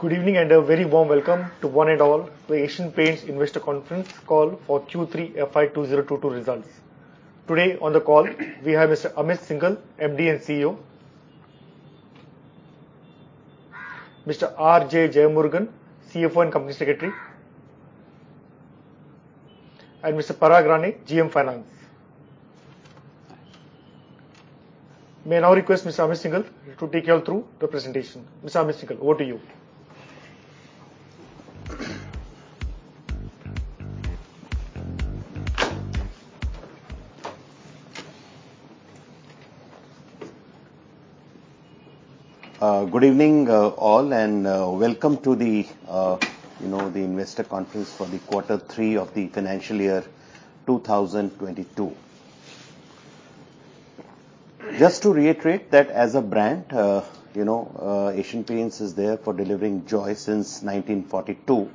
Good evening, and a very warm welcome to one and all to Asian Paints Investor Conference Call for Q3 FY 2022 results. Today on the call, we have Mr. Amit Syngle, MD and CEO. Mr. R.J. Jeyamurugan, CFO and Company Secretary. Mr. Parag Rane, GM Finance. May I now request Mr. Amit Syngle to take you all through the presentation. Mr. Amit Syngle, over to you. Good evening, all, and welcome to the, you know, the investor conference for the Q3 of the financial year 2022. Just to reiterate that as a brand, you know, Asian Paints is there for delivering joy since 1942.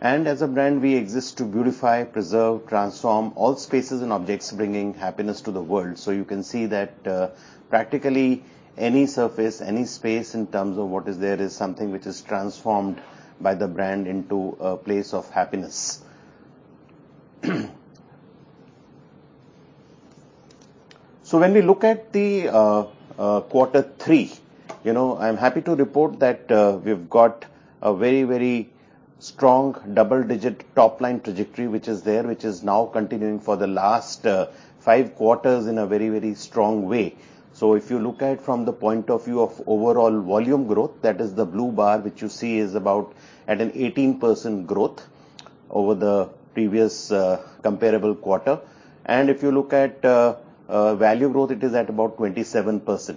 As a brand, we exist to beautify, preserve, transform all spaces and objects, bringing happiness to the world. You can see that, practically any surface, any space in terms of what is there is something which is transformed by the brand into a place of happiness. When we look at the Q3, you know, I'm happy to report that, we've got a very, very strong double-digits top-line trajectory which is there, which is now continuing for the last 5 quarters in a very, very strong way. If you look at from the point of view of overall volume growth, that is the blue bar which you see is about at an 18% growth over the previous, comparable quarter. If you look at value growth, it is at about 27%.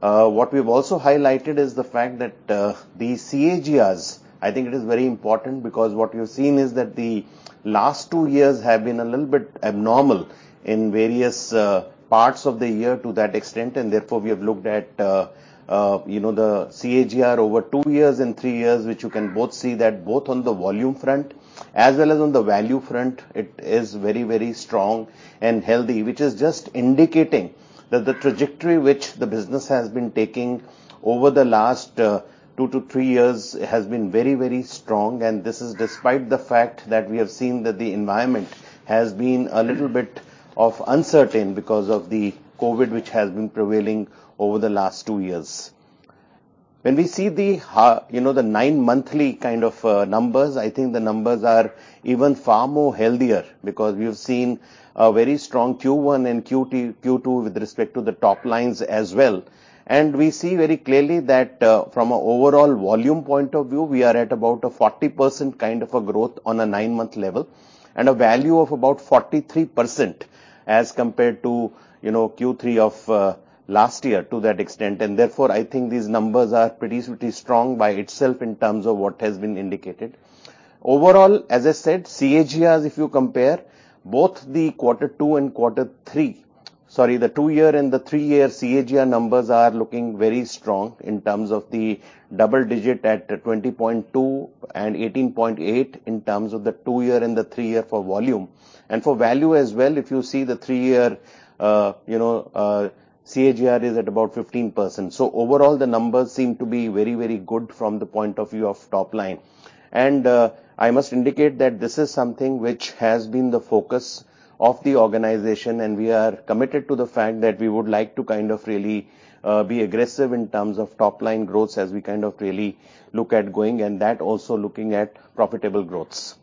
What we've also highlighted is the fact that, the CAGRs, I think it is very important because what you've seen is that the last two-years have been a little bit abnormal in various, parts of the year to that extent. Therefore, we have looked at, you know, the CAGR over two-years and three-years, which you can both see that both on the volume front as well as on the value front, it is very, very strong and healthy. Which is just indicating that the trajectory which the business has been taking over the last 2-3 years has been very, very strong, and this is despite the fact that we have seen that the environment has been a little bit uncertain because of the COVID, which has been prevailing over the last two-years. When we see the 9-month kind of numbers, I think the numbers are even far more healthier because we've seen a very strong Q1 and Q2 with respect to the top-lines as well. We see very clearly that from an overall volume point of view, we are at about a 40% kind of a growth on a 9-month level and a value of about 43% as compared to Q3 of last year to that extent. Therefore, I think these numbers are pretty strong by itself in terms of what has been indicated. Overall, as I said, the two- year and the three-year CAGR numbers are looking very strong in terms of the double-digits at 20.2% and 18.8% in terms of the two-year and the three-year for volume. For value as well, if you see the three-year, you know, CAGR is at about 15%. Overall, the numbers seem to be very good from the point of view of top-line. I must indicate that this is something which has been the focus of the organization, and we are committed to the fact that we would like to kind of really be aggressive in terms of top-line growth as we kind of really look at growing and that also looking at profitable growths.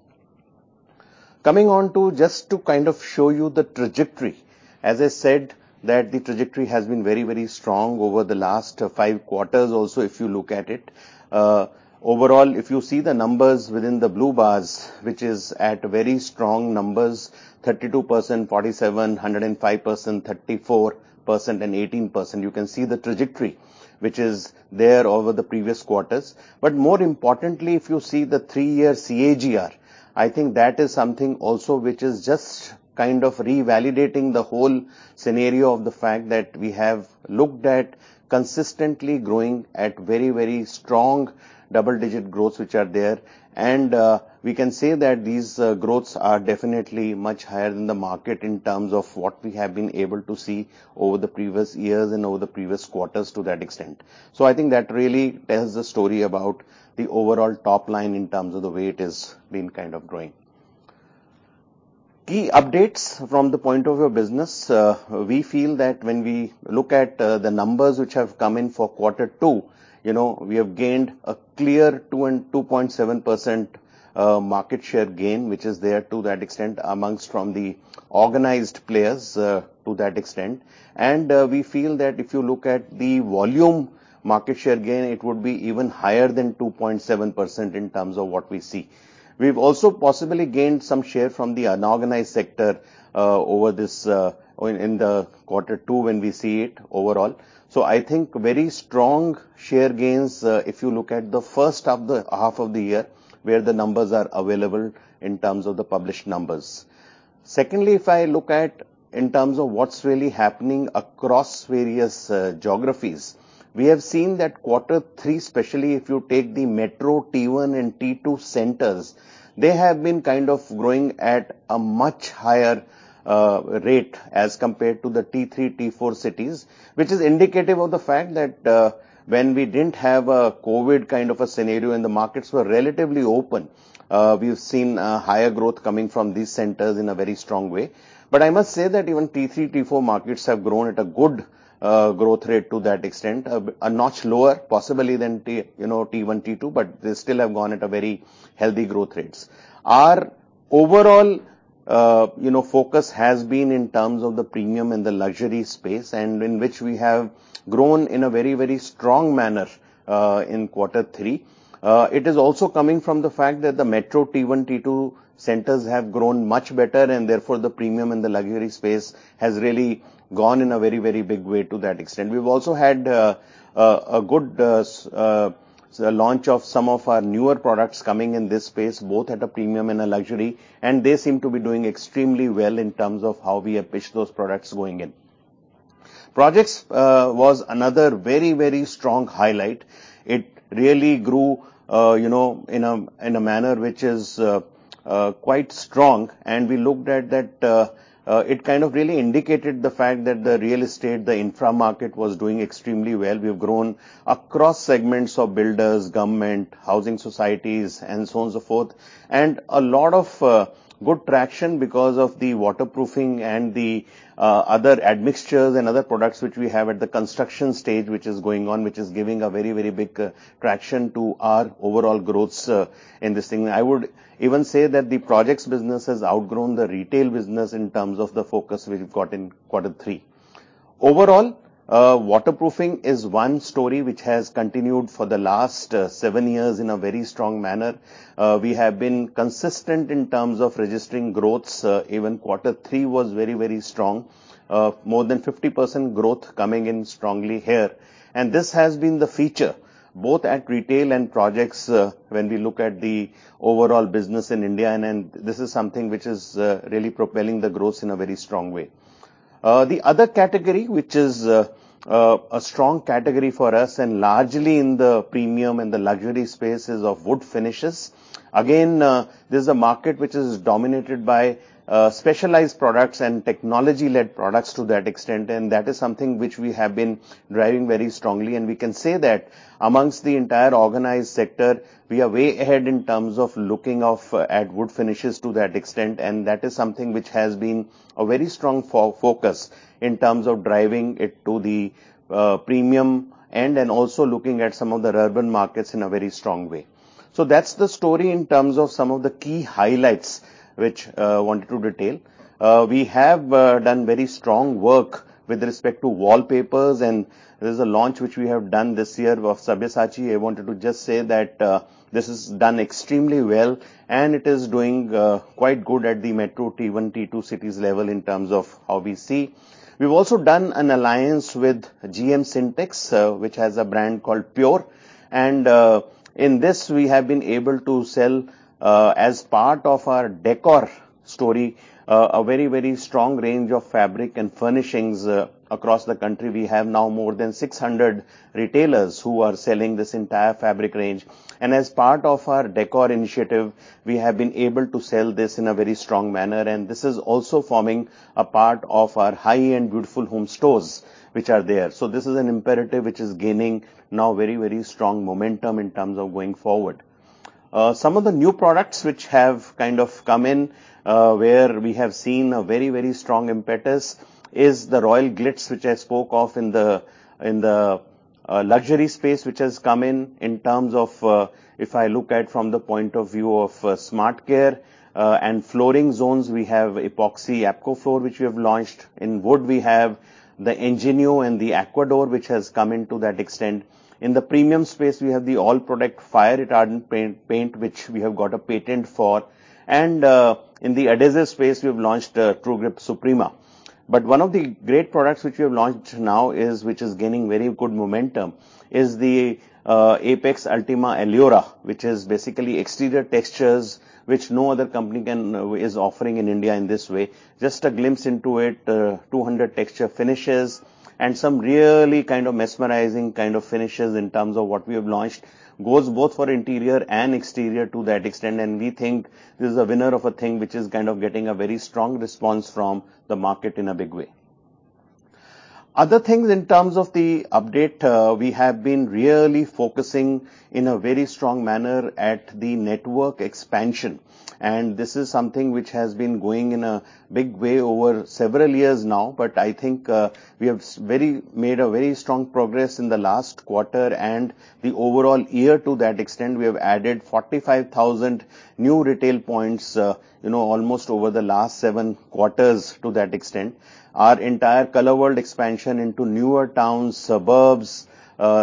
Coming on to just to kind of show you the trajectory. As I said, that the trajectory has been very, very strong over the last five quarters also, if you look at it. Overall, if you see the numbers within the blue bars, which is at very strong numbers, 32%, 47%, 105%, 34%, and 18%. You can see the trajectory which is there over the previous quarters. More importantly, if you see the three-year CAGR, I think that is something also which is just kind of revalidating the whole scenario of the fact that we have looked at consistently growing at very, very strong double-digits growths which are there. We can say that these growths are definitely much higher than the market in terms of what we have been able to see over the previous years and over the previous quarters to that extent. I think that really tells the story about the overall top-line in terms of the way it has been kind of growing. Key updates from the point of view of business. We feel that when we look at the numbers which have come in for Q2, you know, we have gained a clear 2.7% market share gain, which is there to that extent amongst the organized players, to that extent. We feel that if you look at the volume market share gain, it would be even higher than 2.7% in terms of what we see. We've also possibly gained some share from the unorganized sector over this in Q2 when we see it overall. I think very strong share gains, if you look at the first half of the year, where the numbers are available in terms of the published numbers. Secondly, if I look at, in terms of what's really happening across various geographies, we have seen that Q3, especially if you take the metro Tier 1 and Tier 2 centers, they have been kind of growing at a much higher rate as compared to the Tier 3, Tier 4 cities. Which is indicative of the fact that, when we didn't have a COVID kind of a scenario and the markets were relatively open, we've seen higher growth coming from these centers in a very strong way. I must say that even Tier 3, Tier 4 markets have grown at a good growth rate to that extent. It's a notch lower possibly than Tier, you know, Tier 1, Tier 2, but they still have gone at a very healthy growth rates. Our overall focus has been in terms of the premium and the luxury space, and in which we have grown in a very, very strong manner in Q3. It is also coming from the fact that the metro Tier 1, Tier 2 centers have grown much better and therefore the premium and the luxury space has really gone in a very, very big way to that extent. We've also had a good launch of some of our newer products coming in this space, both at a premium and a luxury, and they seem to be doing extremely well in terms of how we have pitched those products going in. Projects was another very strong highlight. It really grew, you know, in a manner which is quite strong. We looked at that it kind of really indicated the fact that the real estate, the infra market was doing extremely well. We've grown across segments of builders, government, housing societies and so on so forth. A lot of good traction because of the waterproofing and the other admixtures and other products which we have at the construction stage, which is going on, which is giving a very big traction to our overall growths in this thing. I would even say that the projects business has outgrown the retail business in terms of the focus we've got in Q3. Overall, waterproofing is one story which has continued for the last seven-years in a very strong manner. We have been consistent in terms of registering growths. Even Q3 was very, very strong. More than 50% growth coming in strongly here. This has been the feature both at retail and projects, when we look at the overall business in India, and then this is something which is really propelling the growth in a very strong way. The other category, which is a strong category for us and largely in the premium and the luxury space is of wood finishes. This is a market which is dominated by specialized products and technology-led products to that extent, and that is something which we have been driving very strongly, and we can say that amongst the entire organized sector, we are way ahead in terms of looking at wood finishes to that extent. That is something which has been a very strong focus in terms of driving it to the premium end and also looking at some of the urban markets in a very strong way. That's the story in terms of some of the key highlights which I wanted to detail. We have done very strong work with respect to wallpapers, and there's a launch which we have done this year of Sabyasachi. I wanted to just say that, this is done extremely well and it is doing quite good at the metro Tier 1, Tier 2 cities level in terms of how we see. We've also done an alliance with GM Syntex, which has a brand called Pure. In this we have been able to sell, as part of our décor story, a very, very strong range of fabric and furnishings, across the country. We have now more than 600 retailers who are selling this entire fabric range. As part of our décor initiative, we have been able to sell this in a very strong manner. This is also forming a part of our high-end Beautiful Homes stores which are there. This is an imperative which is gaining now very, very strong momentum in terms of going forward. Some of the new products which have kind of come in, where we have seen a very strong impetus is the Royale Glitz, which I spoke of in the luxury space, which has come in terms of, if I look at from the point of view of SmartCare. Flooring zones, we have Epoxy ApcoFloor, which we have launched. In wood we have the Ingenio and the Aquadur, which has come in to that extent. In the premium space, we have the Apcolite All Protek, which we have got a patent for. In the adhesive space, we have launched Trugrip Suprema. One of the great products which we have launched now, which is gaining very good momentum, is the Apex Ultima Allura, which is basically exterior textures which no other company is offering in India in this way. Just a glimpse into it, 200 texture finishes and some really mesmerizing finishes in terms of what we have launched. It goes both for interior and exterior to that extent, and we think this is a winner of a thing which is kind of getting a very strong response from the market in a big way. Other things in terms of the update, we have been really focusing in a very strong manner at the network expansion, and this is something which has been going in a big way over several years now. I think we have made a very strong progress in the last quarter and the overall year to that extent. We have added 45,000 new retail points, you know, almost over the last 7 quarters to that extent. Our entire Colour World expansion into newer towns, suburbs,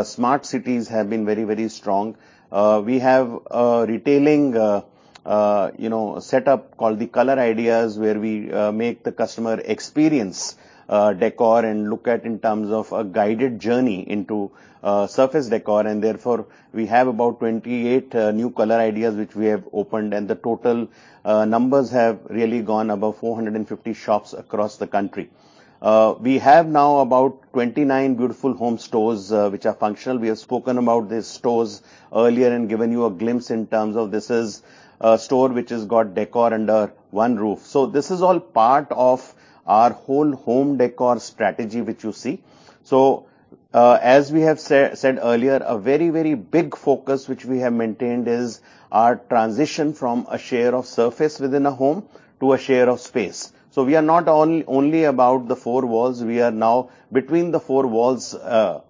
smart cities have been very, very strong. We have a retailing, you know, setup called the Colour Ideas, where we make the customer experience, decor and look at in terms of a guided journey into, surface decor. Therefore, we have about 28 new Colour Ideas which we have opened, and the total numbers have really gone above 450 shops across the country. We have now about 29 Beautiful Homes stores, which are functional. We have spoken about these stores earlier and given you a glimpse in terms of this is a store which has got decor under one roof. This is all part of our whole home decor strategy, which you see. As we have said earlier, a very, very big focus which we have maintained is our transition from a share of surface within a home to a share of space. We are not only about the four walls, we are now between the four walls,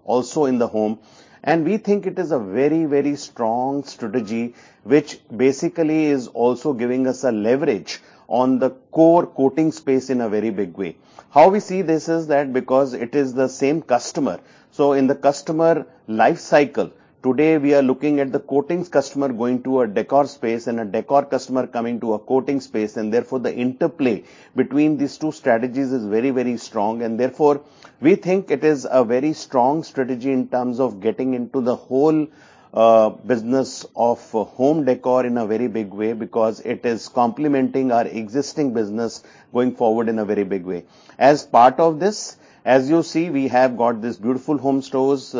also in the home. We think it is a very, very strong strategy, which basically is also giving us a leverage on the core coating space in a very big way. How we see this is that because it is the same customer, so in the customer life cycle, today we are looking at the coatings customer going to a décor space and a décor customer coming to a coating space. Therefore, the interplay between these two strategies is very, very strong. Therefore, we think it is a very strong strategy in terms of getting into the whole business of home décor in a very big way because it is complementing our existing business going forward in a very big way. As part of this, as you see, we have got these Beautiful Homes stores,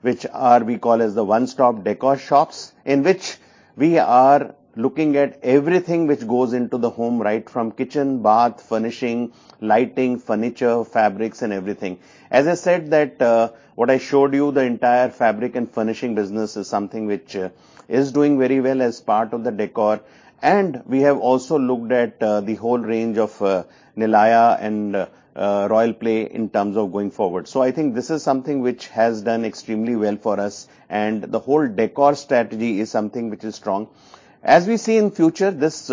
which we call as the one-stop décor shops in which we are looking at everything which goes into the home right from kitchen, bath, furnishing, lighting, furniture, fabrics and everything. As I said that, what I showed you, the entire fabric and furnishing business is something which is doing very well as part of the decor. We have also looked at the whole range of Nilaya and Royale Play in terms of going forward. I think this is something which has done extremely well for us. The whole decor strategy is something which is strong. As we see in future, this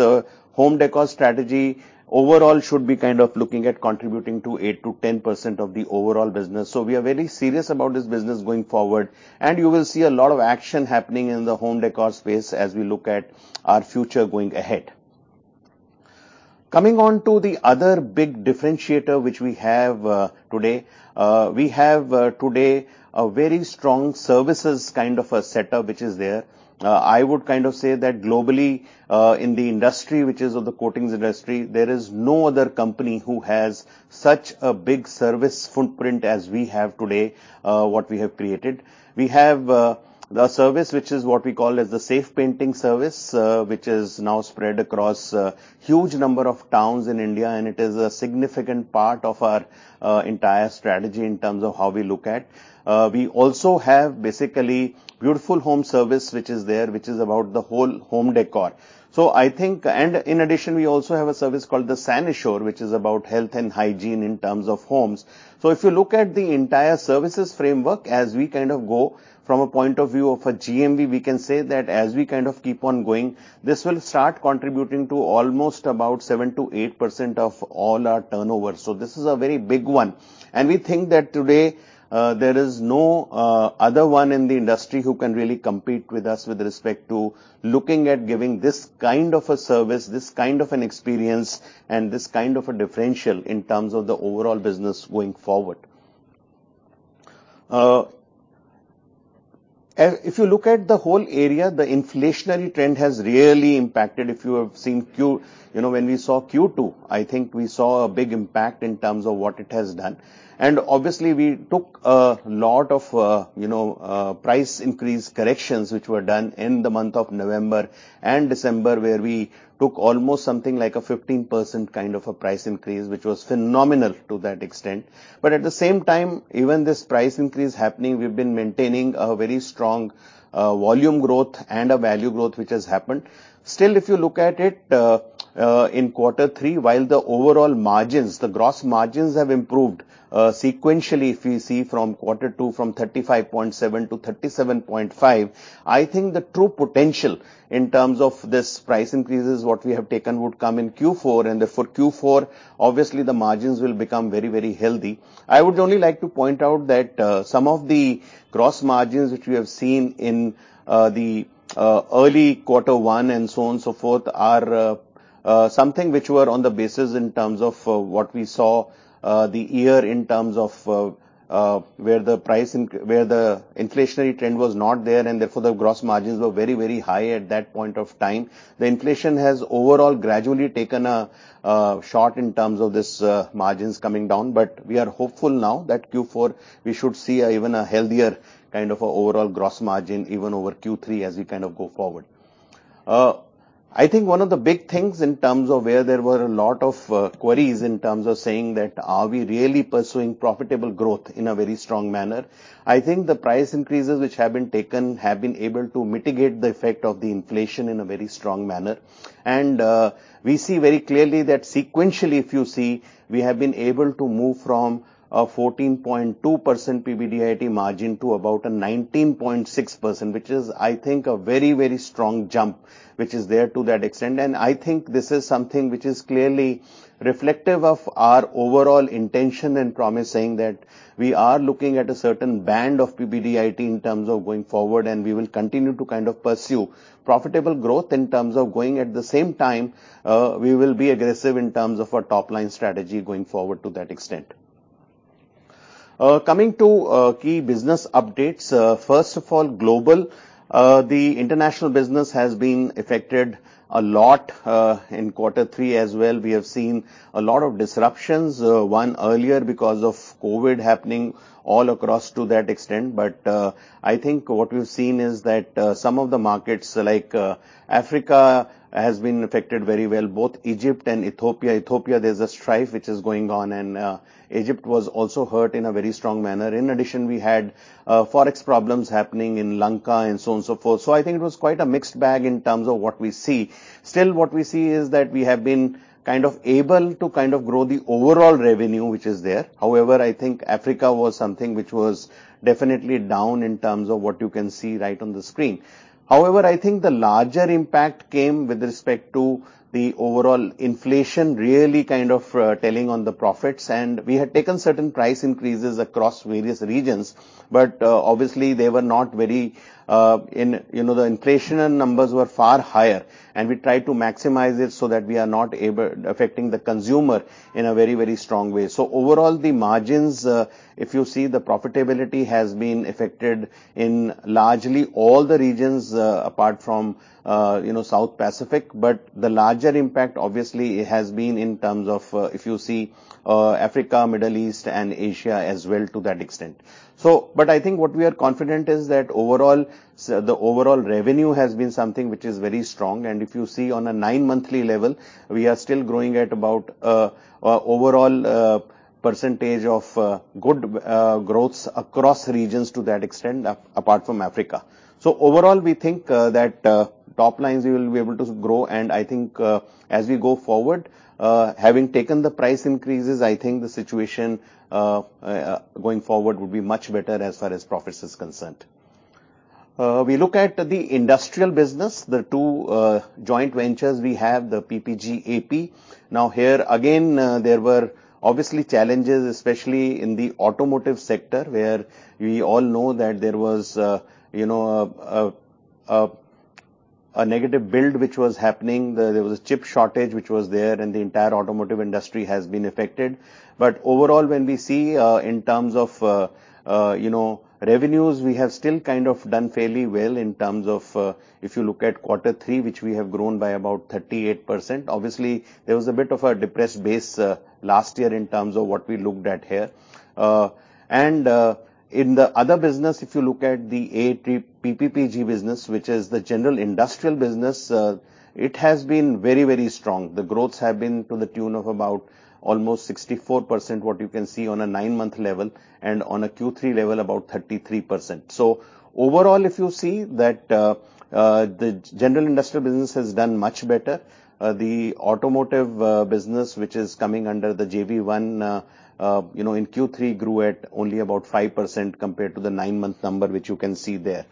home decor strategy overall should be kind of looking at contributing to 8%-10% of the overall business. We are very serious about this business going forward, and you will see a lot of action happening in the home decor space as we look at our future going ahead. Coming on to the other big differentiator which we have today. We have today a very strong services kind of a setup which is there. I would kind of say that globally, in the industry, which is of the coatings industry, there is no other company who has such a big service footprint as we have today, what we have created. We have a service which is what we call as the Safe Painting Service, which is now spread across a huge number of towns in India, and it is a significant part of our entire strategy in terms of how we look at. We also have basically Beautiful Homes Service, which is there, which is about the whole home decor. I think in addition, we also have a service called the Sanisure, which is about health and hygiene in terms of homes. If you look at the entire services framework, as we kind of go from a point of view of a GMV, we can say that as we kind of keep on going, this will start contributing to almost about 7%-8% of all our turnover. This is a very big one. We think that today, there is no other one in the industry who can really compete with us with respect to looking at giving this kind of a service, this kind of an experience, and this kind of a differential in terms of the overall business going forward. If you look at the whole area, the inflationary trend has really impacted. If you have seen Q2, you know, when we saw Q2, I think we saw a big impact in terms of what it has done. Obviously, we took a lot of price increase corrections which were done in the month of November and December, where we took almost something like a 15% kind of a price increase, which was phenomenal to that extent. But at the same time, even this price increase happening, we've been maintaining a very strong volume growth and a value growth which has happened. Still, if you look at it in Q3, while the overall margins, the gross margins have improved sequentially, if you see from Q2, from 35.7% to 37.5%. I think the true potential in terms of this price increases what we have taken would come in Q4. Therefore, Q4, obviously, the margins will become very, very healthy. I would only like to point out that some of the gross margins which we have seen in the early quarter one and so on and so forth are something which were on the basis in terms of what we saw the year in terms of where the inflationary trend was not there, and therefore, the gross margins were very high at that point of time. The inflation has overall gradually taken a shot in terms of this margins coming down. We are hopeful now that Q4 we should see even a healthier kind of overall gross margin even over Q3 as we kind of go forward. I think one of the big things in terms of where there were a lot of queries in terms of saying that are we really pursuing profitable growth in a very strong manner? I think the price increases which have been taken have been able to mitigate the effect of the inflation in a very strong manner. We see very clearly that sequentially, if you see, we have been able to move from a 14.2% PBDIT margin to about a 19.6%, which is, I think, a very, very strong jump, which is there to that extent. I think this is something which is clearly reflective of our overall intention and promise, saying that we are looking at a certain band of PBDIT in terms of going forward, and we will continue to kind of pursue profitable growth in terms of going. At the same time, we will be aggressive in terms of our top-line strategy going forward to that extent. Coming to key business updates. First of all, global. The international business has been affected a lot in quarter three as well. We have seen a lot of disruptions. One earlier because of COVID happening all across to that extent. I think what we've seen is that some of the markets like Africa has been affected very well, both Egypt and Ethiopia. Ethiopia, there's a strife which is going on, and Egypt was also hurt in a very strong manner. In addition, we had Forex problems happening in Lanka and so on and so forth. I think it was quite a mixed bag in terms of what we see. Still, what we see is that we have been kind of able to kind of grow the overall revenue which is there. However, I think Africa was something which was definitely down in terms of what you can see right on the screen. However, I think the larger impact came with respect to the overall inflation really kind of telling on the profits. We had taken certain price increases across various regions, but obviously they were not very in. You know, the inflation numbers were far higher, and we tried to maximize it so that we are not affecting the consumer in a very, very strong way. Overall, the margins, if you see the profitability has been affected in largely all the regions, apart from, you know, South Pacific. The larger impact obviously has been in terms of, if you see, Africa, Middle East and Asia as well to that extent. I think what we are confident is that overall the revenue has been something which is very strong. If you see on a nine-monthly level, we are still growing at about overall percentage of good growth across regions to that extent, apart from Africa. Overall, we think that top-lines we will be able to grow. I think as we go forward, having taken the price increases, I think the situation going forward would be much better as far as profits is concerned. We look at the industrial business. The two joint ventures we have, the PPG AP. Now here again, there were obviously challenges, especially in the automotive sector, where we all know that there was a negative build which was happening. There was a chip shortage which was there, and the entire automotive industry has been affected. Overall, when we see in terms of revenues, we have still kind of done fairly well in terms of if you look at Q3, which we have grown by about 38%. Obviously, there was a bit of a depressed base last year in terms of what we looked at here. In the other business, if you look at the AP PPG business, which is the general industrial business, it has been very, very strong. The growths have been to the tune of about almost 64%, what you can see on a 9-month level and on a Q3 level, about 33%. Overall, if you see that, the general industrial business has done much better. The automotive business, which is coming under the JV one, you know, in Q3 grew at only about 5% compared to the 9-month number, which you can see there.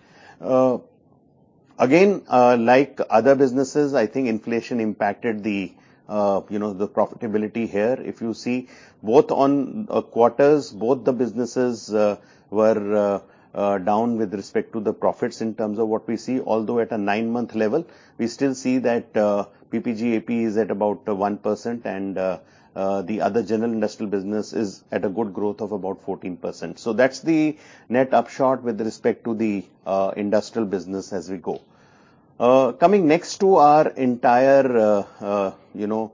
Again, like other businesses, I think inflation impacted, you know, the profitability here. If you see both on quarters, both the businesses were down with respect to the profits in terms of what we see. Although at a nine-month level, we still see that PPG AP is at about 1% and the other general industrial business is at a good growth of about 14%. That's the net upshot with respect to the industrial business as we go. Coming next to our entire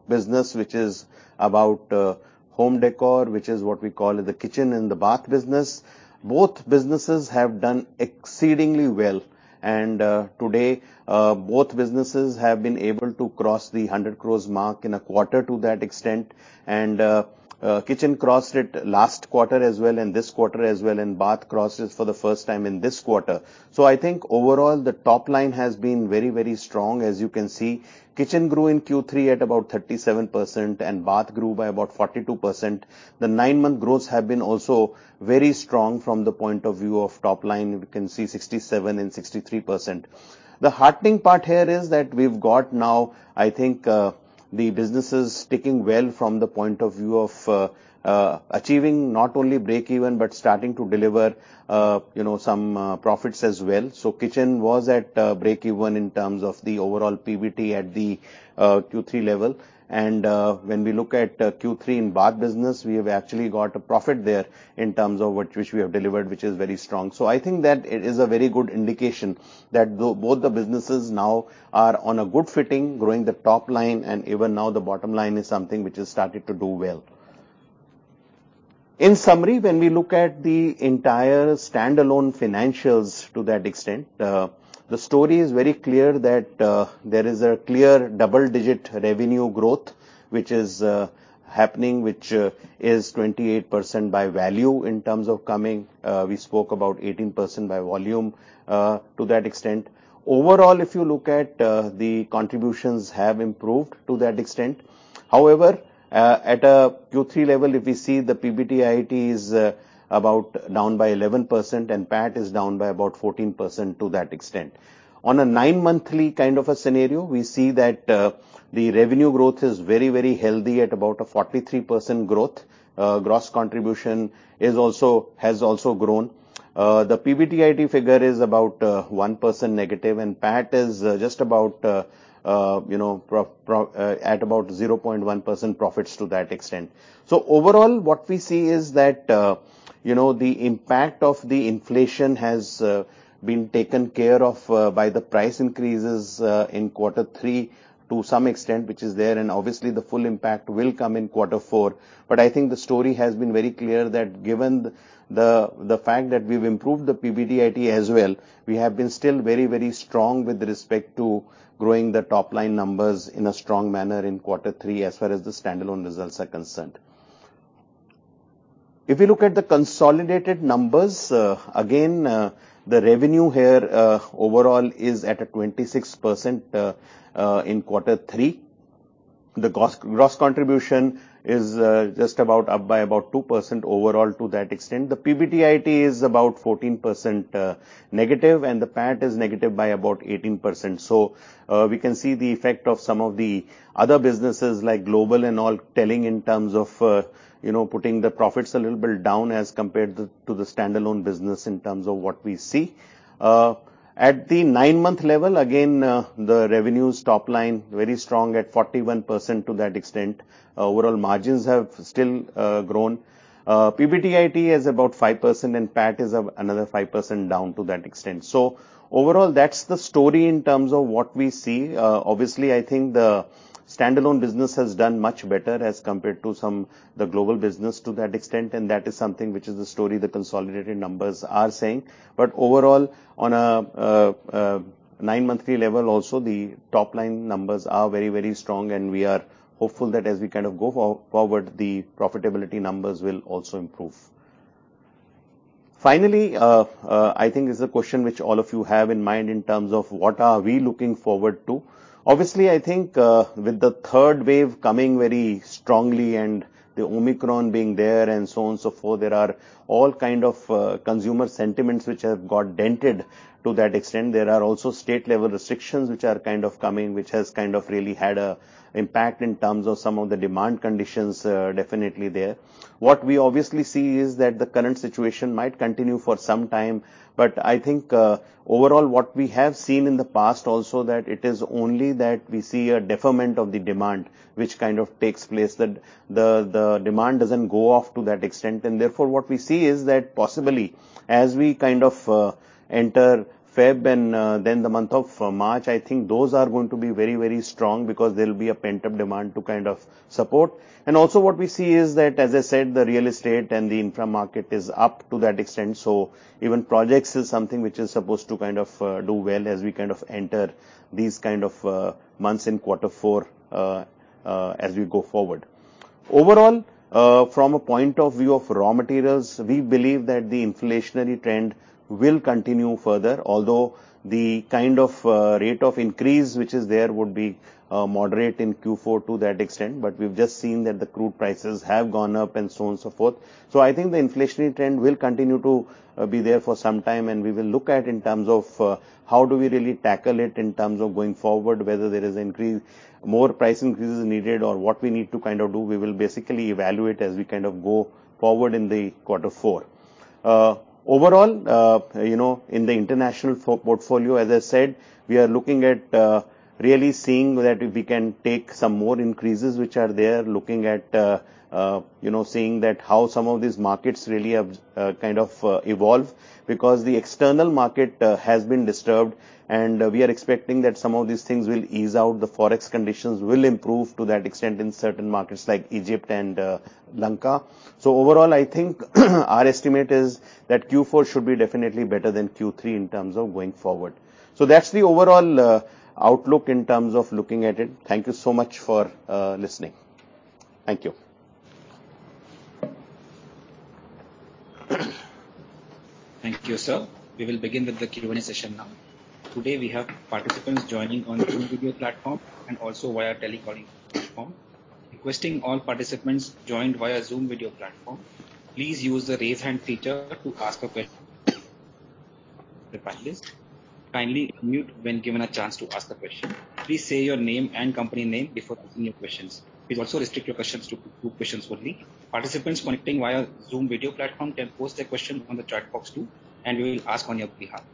business, which is about home decor, which is what we call the kitchen and the bath business. Both businesses have done exceedingly well. Today both businesses have been able to cross the 100 crores mark in a quarter to that extent. Kitchen crossed it last quarter as well and this quarter as well. Bath crossed it for the first time in this quarter. I think overall the top-line has been very, very strong. As you can see, kitchen grew in Q3 at about 37% and bath grew by about 42%. The nine-month growths have been also very strong from the point of view of top-line. You can see 67% and 63%. The heartening part here is that we've got now, I think, the business is ticking well from the point of view of achieving not only breakeven, but starting to deliver, you know, some profits as well. Kitchen was at breakeven in terms of the overall PBT at the Q3 level. When we look at Q3 in bath business, we have actually got a profit there in terms of which we have delivered, which is very strong. I think that it is a very good indication that both the businesses now are on a good footing, growing the top-line and even now the bottom line is something which has started to do well. In summary, when we look at the entire standalone financials to that extent, the story is very clear that, there is a clear double-digits revenue growth which is, happening, which, is 28% by value in terms of coming, we spoke about 18% by volume, to that extent. Overall, if you look at, the contributions have improved to that extent. However, at a Q3 level, if we see the PBDIT is, about down by 11% and PAT is down by about 14% to that extent. On a nine-monthly kind of a scenario, we see that the revenue growth is very, very healthy at about a 43% growth. Gross contribution has also grown. The PBDIT figure is about 1% negative, and PAT is just about, you know, at about 0.1% profits to that extent. Overall, what we see is that the impact of the inflation has been taken care of by the price increases in Q3 to some extent, which is there. Obviously the full impact will come in Q4. I think the story has been very clear that given the fact that we've improved the PBDIT as well, we have been still very, very strong with respect to growing the top-line numbers in a strong manner in Q3, as far as the standalone results are concerned. If you look at the consolidated numbers, again, the revenue here, overall is at a 26% in Q3. The gross contribution is just about up by about 2% overall to that extent. The PBDIT is about 14% negative, and the PAT is negative by about 18%. We can see the effect of some of the other businesses like global and all telling in terms of, you know, putting the profits a little bit down as compared the, to the standalone business in terms of what we see. At the nine-month level, again, the revenue's top-line very strong at 41% to that extent. Overall margins have still grown. PBDIT is about 5%, and PAT is another 5% down to that extent. Overall, that's the story in terms of what we see. Obviously, I think the standalone business has done much better as compared to some of the global business to that extent, and that is something which is the story the consolidated numbers are saying. Overall, on a nine-monthly level also, the top-line numbers are very, very strong, and we are hopeful that as we kind of go forward, the profitability numbers will also improve. Finally, I think it is a question which all of you have in mind in terms of what we are looking forward to. Obviously, I think with the third wave coming very strongly and the Omicron being there and so on and so forth, there are all kind of consumer sentiments which have got dented to that extent. There are also state-level restrictions which are kind of coming, which has kind of really had an impact in terms of some of the demand conditions, definitely there. What we obviously see is that the current situation might continue for some time, but I think, overall, what we have seen in the past also, that it is only that we see a deferment of the demand which kind of takes place. The demand doesn't go off to that extent. Therefore, what we see is that possibly as we kind of enter February and then the month of March, I think those are going to be very, very strong because there'll be a pent-up demand to kind of support. Also what we see is that, as I said, the real estate and the infra market is up to that extent, so even projects is something which is supposed to kind of do well as we kind of enter these kind of months in Q4, as we go forward. Overall, from a point of view of raw materials, we believe that the inflationary trend will continue further, although the kind of rate of increase which is there would be moderate in Q4 to that extent. We've just seen that the crude prices have gone up and so on and so forth. I think the inflationary trend will continue to be there for some time, and we will look at in terms of how do we really tackle it in terms of going forward, whether more price increases needed or what we need to kind of do. We will basically evaluate as we kind of go forward in Q4. Overall, you know, in the international footprint, as I said, we are looking at really seeing that if we can take some more increases which are there, looking at, you know, seeing that how some of these markets really have kind of evolved. Because the export market has been disturbed, and we are expecting that some of these things will ease out. The forex conditions will improve to that extent in certain markets like Egypt and Lanka. Overall, I think our estimate is that Q4 should be definitely better than Q3 in terms of going forward. That's the overall outlook in terms of looking at it. Thank you so much for listening. Thank you. Thank you, sir. We will begin with the Q&A session now. Today, we have participants joining on Zoom video platform and also via teleconferencing platform. Requesting all participants joined via Zoom video platform, please use the Raise Hand feature to ask a question to the panelist. Kindly unmute when given a chance to ask the question. Please say your name and company name before asking your questions. Please also restrict your questions to two questions only. Participants connecting via Zoom video platform can post their question on the chat box too, and we will ask on your behalf.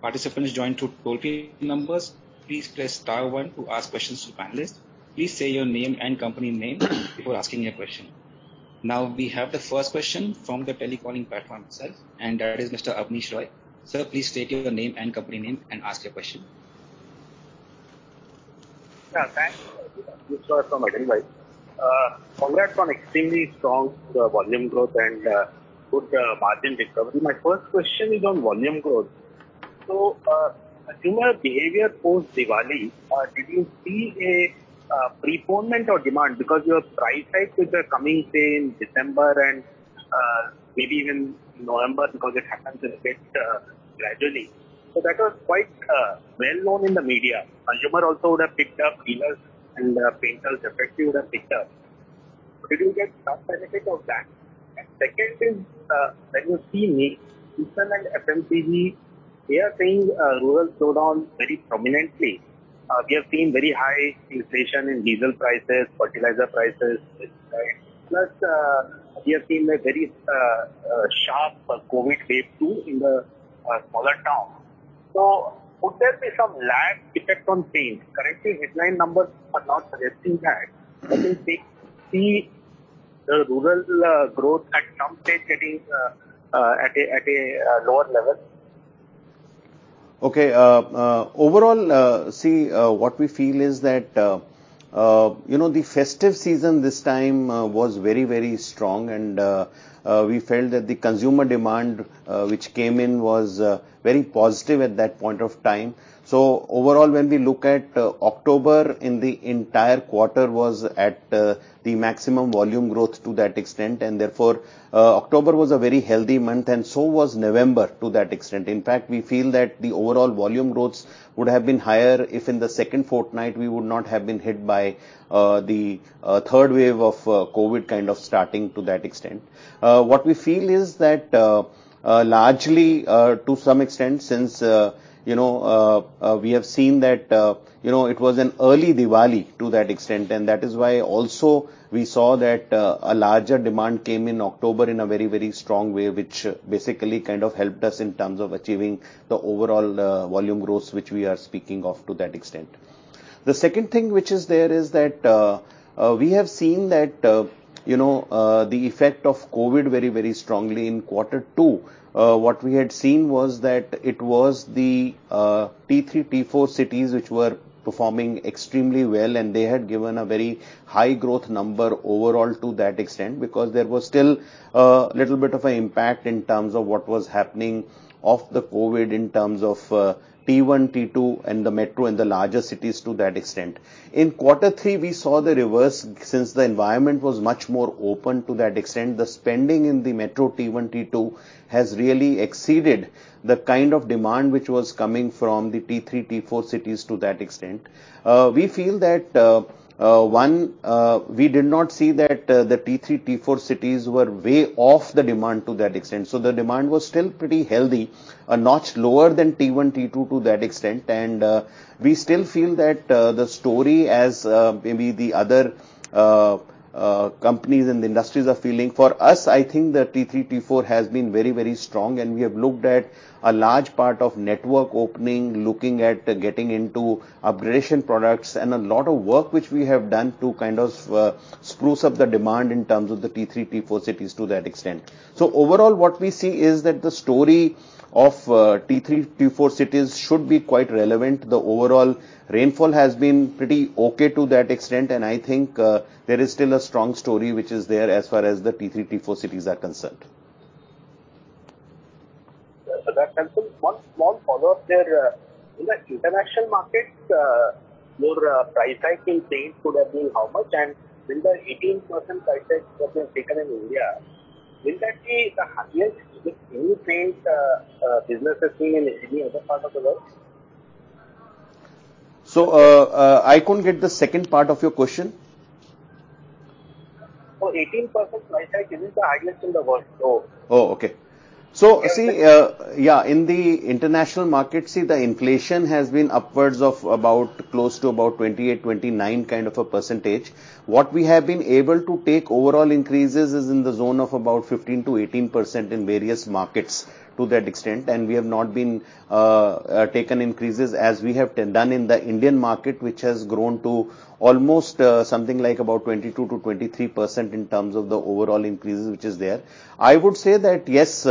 Participants joined through toll free numbers, please press star one to ask questions to the panelist. Please say your name and company name before asking your question. Now, we have the first question from the teleconferencing platform itself, and that is Mr. Abneesh Roy. Sir, please state your name and company name and ask your question. Yeah. Thanks. This is Abneesh Roy from Edelweiss. Congrats on extremely strong volume growth and good margin recovery. My first question is on volume growth. Consumer behavior post-Diwali, did you see a preponement of demand? Because your price hikes which are coming say in December and maybe even November because it happens a bit gradually. That was quite well-known in the media. Consumer also would have picked up feelers and painters effectively would have picked up. Did you get some benefit of that? Second is, when you see mix between consumer and FMCG, we are seeing rural slowdown very prominently. We have seen very high inflation in diesel prices, fertilizer prices, et cetera. Plus, we have seen a very sharp COVID wave too in the smaller towns. Would there be some lag effect on paint? Currently, headline numbers are not suggesting that. Would you see the rural growth at some stage getting at a lower level? Okay. overall, see, what we feel is that, you know, the festive season this time was very, very strong and we felt that the consumer demand which came in was very positive at that point of time. Overall, when we look at October in the entire quarter was at the maximum volume growth to that extent. Therefore, October was a very healthy month and so was November to that extent. In fact, we feel that the overall volume growth would have been higher if in the second fortnight we would not have been hit by the third wave of COVID kind of starting to that extent. What we feel is that largely to some extent since you know we have seen that you know it was an early Diwali to that extent. That is why also we saw that a larger demand came in October in a very very strong way, which basically kind of helped us in terms of achieving the overall volume growth which we are speaking of to that extent. The second thing which is there is that we have seen that you know the effect of COVID very very strongly in Q2. What we had seen was that it was the T3, T4 cities which were performing extremely well, and they had given a very high growth number overall to that extent because there was still little bit of a impact in terms of what was happening of the COVID in terms of T1, T2 and the metro and the larger cities to that extent. In Q3, we saw the reverse since the environment was much more open to that extent. The spending in the metro T1, T2 has really exceeded the kind of demand which was coming from the T3, T4 cities to that extent. We feel that we did not see that the T3, T4 cities were way off the demand to that extent. The demand was still pretty healthy, a notch lower than T1, T2 to that extent. We still feel that the story as maybe the other companies in the industries are feeling. For us, I think the T3, T4 has been very, very strong, and we have looked at a large part of network opening, looking at getting into upgradation products and a lot of work which we have done to kind of spruce up the demand in terms of the T3, T4 cities to that extent. Overall, what we see is that the story of T3, T4 cities should be quite relevant. The overall rainfall has been pretty okay to that extent, and I think there is still a strong story which is there as far as the T3, T4 cities are concerned. Sir, Amit Khan. One small follow-up there. In the international markets, your price hike in paints would have been how much? Will the 18% price hike that you've taken in India be the highest which any paints business has seen in any other part of the world? I couldn't get the second part of your question. 18% price hike, is it the highest in the world though? Oh, okay. In the international market, the inflation has been upwards of about close to 28-29%. What we have been able to take overall increases is in the zone of about 15-18% in various markets to that extent. We have not been taken increases as we have done in the Indian market, which has grown to almost something like about 22-23% in terms of the overall increases which is there. I would say that, yes,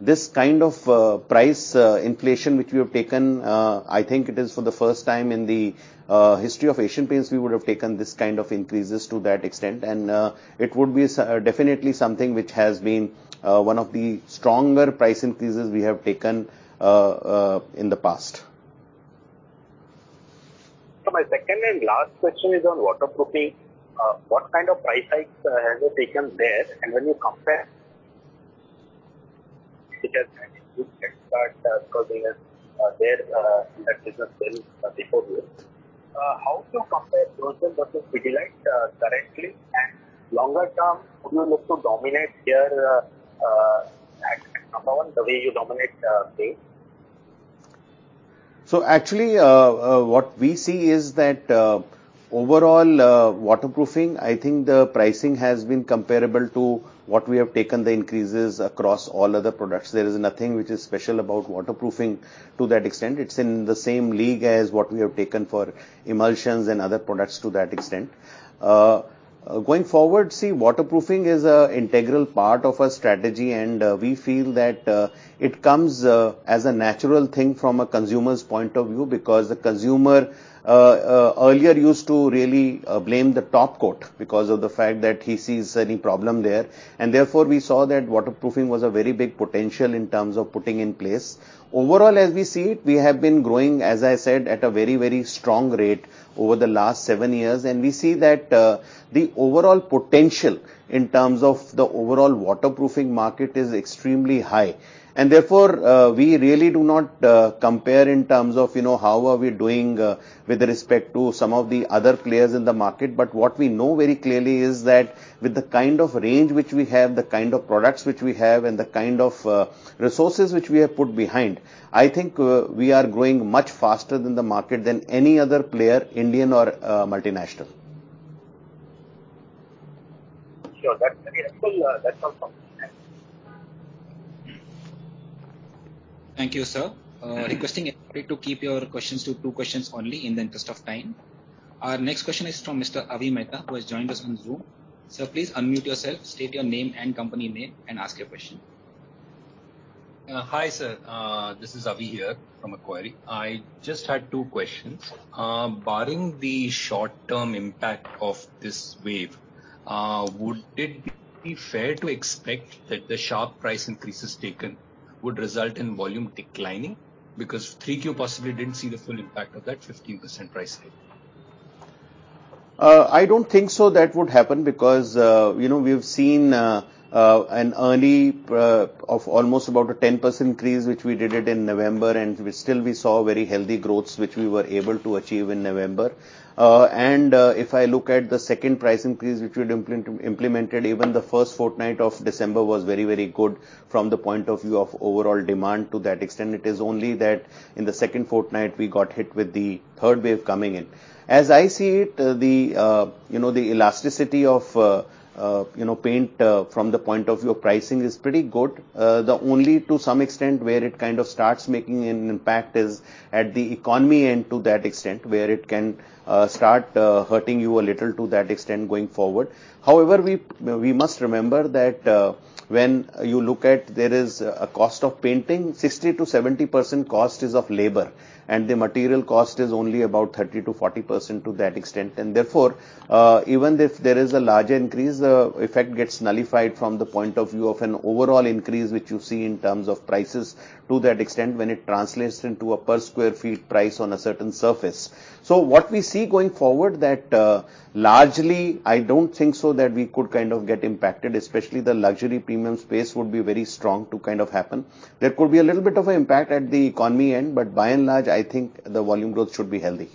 this kind of price inflation which we have taken, I think it is for the first time in the history of Asian Paints we would have taken this kind of increases to that extent. It would be definitely something which has been one of the stronger price increases we have taken in the past. My second and last question is on waterproofing. What kind of price hikes have you taken there? When you compare Sika and CICO, because they have their in that business since 34-years. How to compare Protan versus SikaLife, currently? Longer term, would you look to dominate there, at number one the way you dominate, paints? Actually, what we see is that overall, waterproofing, I think the pricing has been comparable to what we have taken the increases across all other products. There is nothing which is special about waterproofing to that extent. It's in the same league as what we have taken for emulsions and other products to that extent. Going forward, see, waterproofing is an integral part of our strategy, and we feel that it comes as a natural thing from a consumer's point of view because the consumer earlier used to really blame the top coat because of the fact that he sees any problem there. Therefore, we saw that waterproofing was a very big potential in terms of putting in place. Overall, as we see it, we have been growing, as I said, at a very, very strong rate over the last seven-years. We see that the overall potential in terms of the overall waterproofing market is extremely high. Therefore, we really do not compare in terms of, you know, how are we doing with respect to some of the other players in the market. What we know very clearly is that with the kind of range which we have, the kind of products which we have, and the kind of resources which we have put behind, I think, we are growing much faster than the market than any other player, Indian or multinational. Sure. That's very helpful. That's all from my end. Thank you, sir. Requesting everybody to keep your questions to two questions only in the interest of time. Our next question is from Mr. Avi Mehta, who has joined us on Zoom. Sir, please unmute yourself, state your name and company name and ask your question. Hi sir. This is Avi here from Macquarie. I just had two questions. Barring the short-term impact of this wave, would it be fair to expect that the sharp price increases taken would result in volume declining? Because Q3 possibly didn't see the full impact of that 15% price hike. I don't think so that would happen because you know, we have seen an increase of almost about a 10% increase, which we did it in November, and we still saw very healthy growths, which we were able to achieve in November. If I look at the second price increase, which we'd implemented, even the first fortnight of December was very, very good from the point of view of overall demand to that extent. It is only that in the second fortnight we got hit with the third wave coming in. As I see it, you know, the elasticity of you know, paint from the point of view of pricing is pretty good. The only to some extent where it kind of starts making an impact is at the economy end to that extent, where it can start hurting you a little to that extent going forward. However, we must remember that when you look at there is a cost of painting, 60%-70% cost is of labor, and the material cost is only about 30%-40% to that extent. Therefore, even if there is a large increase, the effect gets nullified from the point of view of an overall increase, which you see in terms of prices to that extent, when it translates into a per sq ft price on a certain surface. What we see going forward that, largely, I don't think so that we could kind of get impacted, especially the luxury premium space would be very strong to kind of happen. There could be a little bit of an impact at the economy end, but by and large, I think the volume growth should be healthy.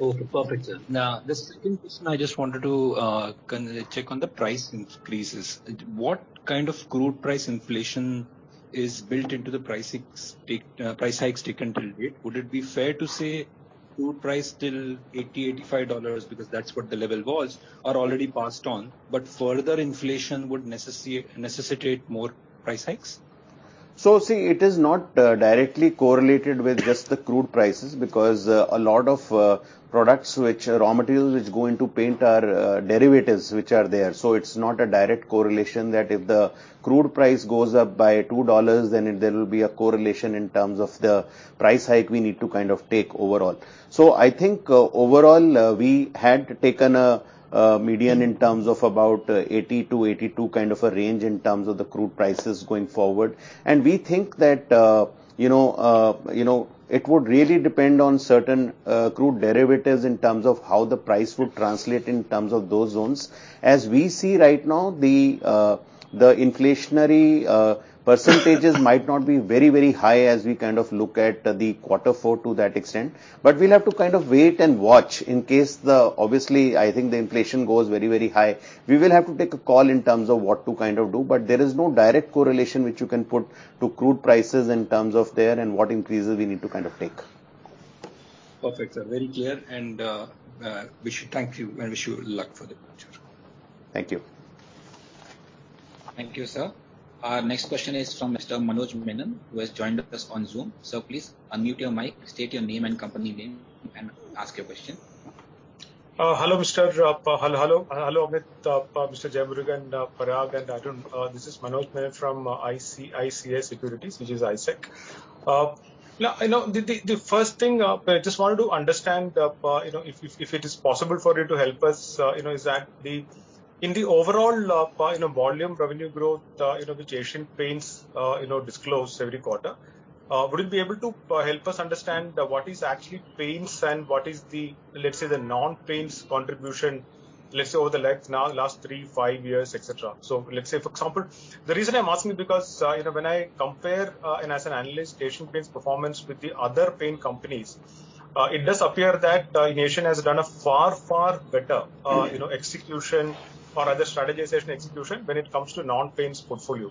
Okay. Perfect, sir. Now the second question I just wanted to kind of check on the price increases. What kind of crude price inflation is built into the price hikes taken till date? Would it be fair to say crude price till $80-$85, because that's what the level was, are already passed on, but further inflation would necessitate more price hikes? See, it is not directly correlated with just the crude prices because a lot of products which are raw materials which go into paint are derivatives which are there. It's not a direct correlation that if the crude price goes up by $2, then there will be a correlation in terms of the price hike we need to kind of take overall. I think overall, we had taken a median in terms of about $80-$82 kind of a range in terms of the crude prices going forward. We think that you know, you know, it would really depend on certain crude derivatives in terms of how the price would translate in terms of those zones. As we see right now, the inflationary percentages might not be very, very high as we kind of look at Q4 to that extent. We'll have to kind of wait and watch. Obviously, I think the inflation goes very, very high. We will have to take a call in terms of what to kind of do, but there is no direct correlation which you can put to crude prices in terms of that and what increases we need to kind of take. Perfect, sir. Very clear. We should thank you and wish you luck for the future. Thank you. Thank you, sir. Our next question is from Mr. Manoj Menon, who has joined us on Zoom. Sir, please unmute your mic, state your name and company name and ask your question. Hello, Amit, Mr. Jeyamurugan, and Parag. This is Manoj Menon from ICICI Securities, which is ICICI. Now, you know, the first thing I just wanted to understand, you know, if it is possible for you to help us, you know, in the overall volume revenue growth, you know, which Asian Paints, you know, disclose every quarter, would you be able to help us understand what is actually paints and what is the, let's say, the non-paints contribution, let's say, over the last three, five years, et cetera? Let's say for example, the reason I'm asking because, you know, when I compare, and as an analyst, Asian Paints' performance with the other paint companies, it does appear that, Asian has done a far, far better, you know, execution or other strategization execution when it comes to non-paints portfolio.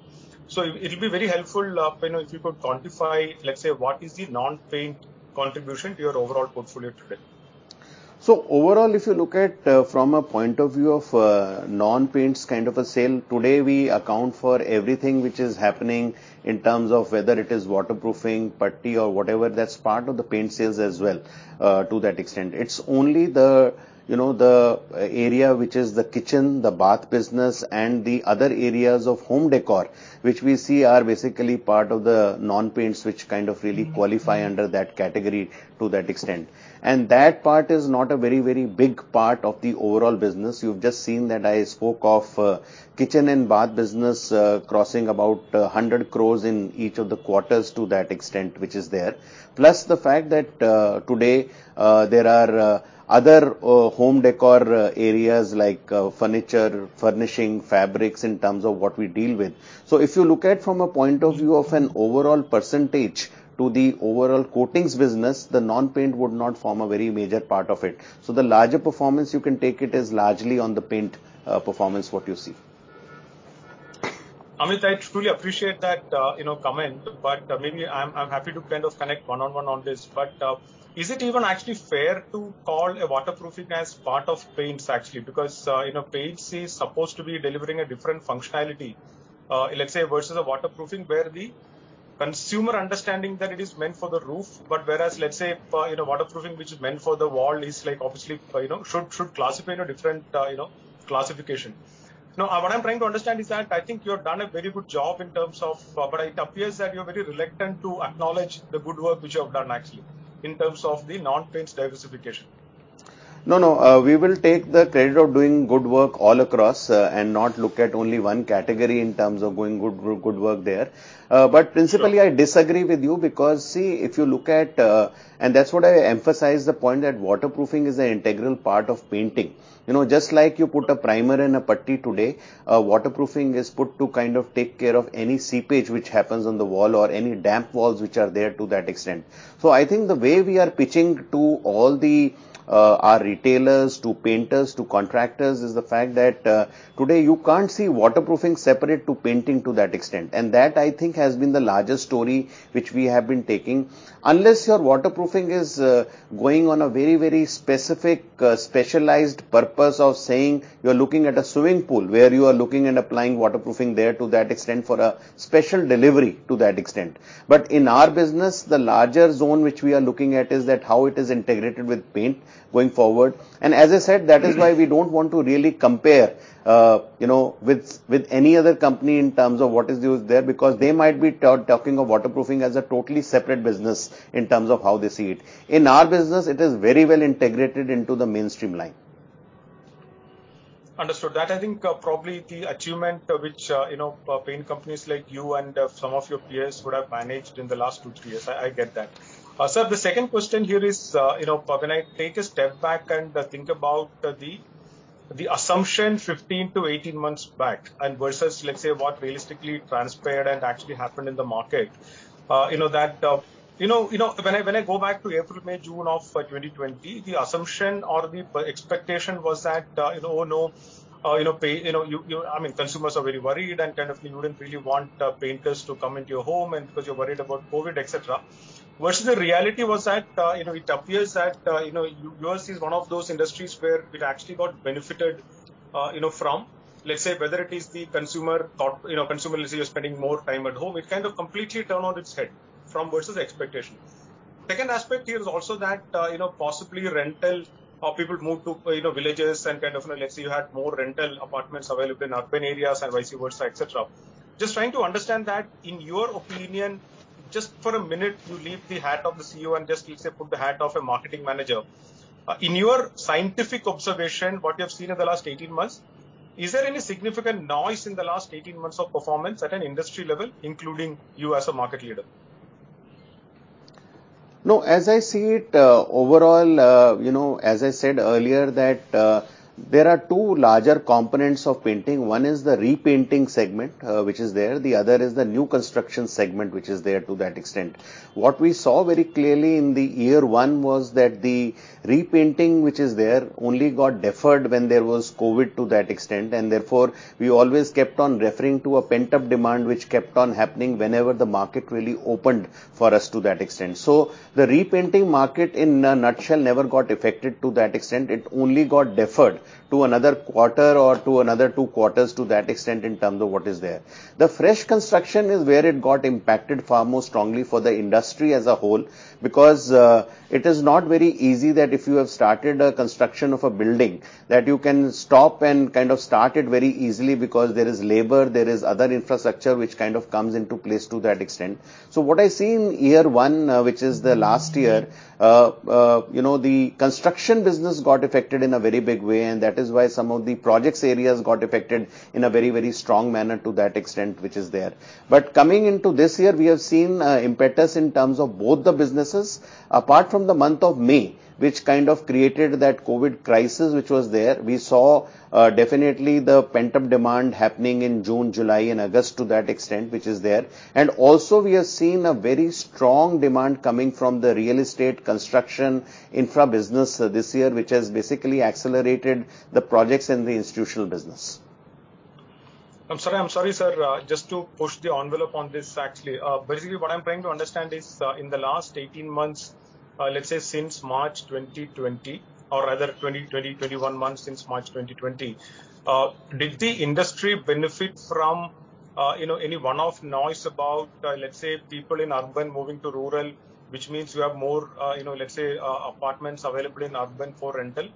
It'll be very helpful, you know, if you could quantify, let's say, what is the non-paint contribution to your overall portfolio today. Overall, if you look at from a point of view of non-paints kind of a sale, today we account for everything which is happening in terms of whether it is waterproofing, putty or whatever, that's part of the paint sales as well to that extent. It's only the, you know, the area which is the kitchen, the bath business and the other areas of home decor, which we see are basically part of the non-paints which kind of really qualify under that category to that extent. That part is not a very, very big part of the overall business. You've just seen that I spoke of kitchen and bath business crossing about 100 crore in each of the quarters to that extent, which is there. The fact that today there are other home decor areas like furniture, furnishing, fabrics in terms of what we deal with. If you look at from a point of view of an overall percentage to the overall coatings business, the non-paint would not form a very major part of it. The larger performance you can take it is largely on the paint performance what you see. Amit, I truly appreciate that, you know, comment, but maybe I'm happy to kind of connect one-on-one on this. Is it even actually fair to call a waterproofing as part of paints actually? Because, you know, paints is supposed to be delivering a different functionality, let's say versus a waterproofing where the consumer understanding that it is meant for the roof, but whereas let's say for, you know, waterproofing, which is meant for the wall is like obviously, you know, should classify in a different, you know, classification. Now, what I'm trying to understand is that I think you have done a very good job in terms of, but it appears that you're very reluctant to acknowledge the good work which you have done actually, in terms of the non-paints diversification. No, no. We will take the credit of doing good work all across, and not look at only one category in terms of doing good work there. Principally, I disagree with you because, see, if you look at that's what I emphasize the point that waterproofing is an integral part of painting. You know, just like you put a primer and a putty today, waterproofing is put to kind of take care of any seepage which happens on the wall or any damp walls which are there to that extent. I think the way we are pitching to all our retailers, to painters, to contractors, is the fact that today you can't see waterproofing separate to painting to that extent. That I think has been the largest story which we have been taking. Unless your waterproofing is going on a very, very specific specialized purpose of saying you're looking at a swimming pool where you are looking and applying waterproofing there to that extent for a special delivery to that extent. In our business, the larger zone which we are looking at is that how it is integrated with paint going forward. As I said, that is why we don't want to really compare, you know, with any other company in terms of what is used there, because they might be talking of waterproofing as a totally separate business in terms of how they see it. In our business, it is very well integrated into the mainstream line. Understood. That I think probably the achievement which, you know, paint companies like you and some of your peers would have managed in the last 2-3 years. I get that. Sir, the second question here is, you know, when I take a step back and think about the assumption 15-18 months back and versus let's say what realistically transpired and actually happened in the market. You know that, you know, when I go back to April, May, June of 2020, the assumption or the expectation was that, you know, oh no, you know, paint, you... I mean, consumers are very worried and kind of you wouldn't really want painters to come into your home and because you're worried about COVID, etc. Versus the reality was that, you know, it appears that, you know, yours is one of those industries where it actually got benefited, you know, from, let's say, whether it is the consumer thought, you know, consumer is spending more time at home. It kind of completely turned on its head from versus expectations. Second aspect here is also that, you know, possibly rental or people moved to, you know, villages and kind of, you know, let's say you had more rental apartments available in urban areas and vice versa, et cetera. Just trying to understand that in your opinion, just for a minute, you leave the hat of the CEO and just let's say, put the hat of a marketing manager. In your scientific observation, what you have seen in the last 18 months, is there any significant noise in the last 18 months of performance at an industry level, including you as a market leader? No. As I see it, overall, you know, as I said earlier that, there are two larger components of painting. One is the repainting segment, which is there. The other is the new construction segment, which is there to that extent. What we saw very clearly in the year one was that the repainting, which is there, only got deferred when there was COVID to that extent, and therefore we always kept on referring to a pent-up demand which kept on happening whenever the market really opened for us to that extent. The repainting market in a nutshell never got affected to that extent. It only got deferred to another quarter or to another two quarters to that extent in terms of what is there. The fresh construction is where it got impacted far more strongly for the industry as a whole, because it is not very easy that if you have started a construction of a building that you can stop and kind of start it very easily because there is labor, there is other infrastructure which kind of comes into place to that extent. What I see in year one, which is the last year, you know, the construction business got affected in a very big way, and that is why some of the projects areas got affected in a very, very strong manner to that extent, which is there. Coming into this year, we have seen impetus in terms of both the businesses. Apart from the month of May, which kind of created that COVID crisis which was there, we saw definitely the pent-up demand happening in June, July and August to that extent, which is there. Also we have seen a very strong demand coming from the real estate construction infra business this year, which has basically accelerated the projects in the institutional business. I'm sorry. I'm sorry, sir. Just to push the envelope on this actually. Basically what I'm trying to understand is, in the last 18 months, let's say 21 months since March 2020, did the industry benefit from, you know, any one-off noise about, let's say people in urban moving to rural, which means you have more, you know, let's say, apartments available in urban for rental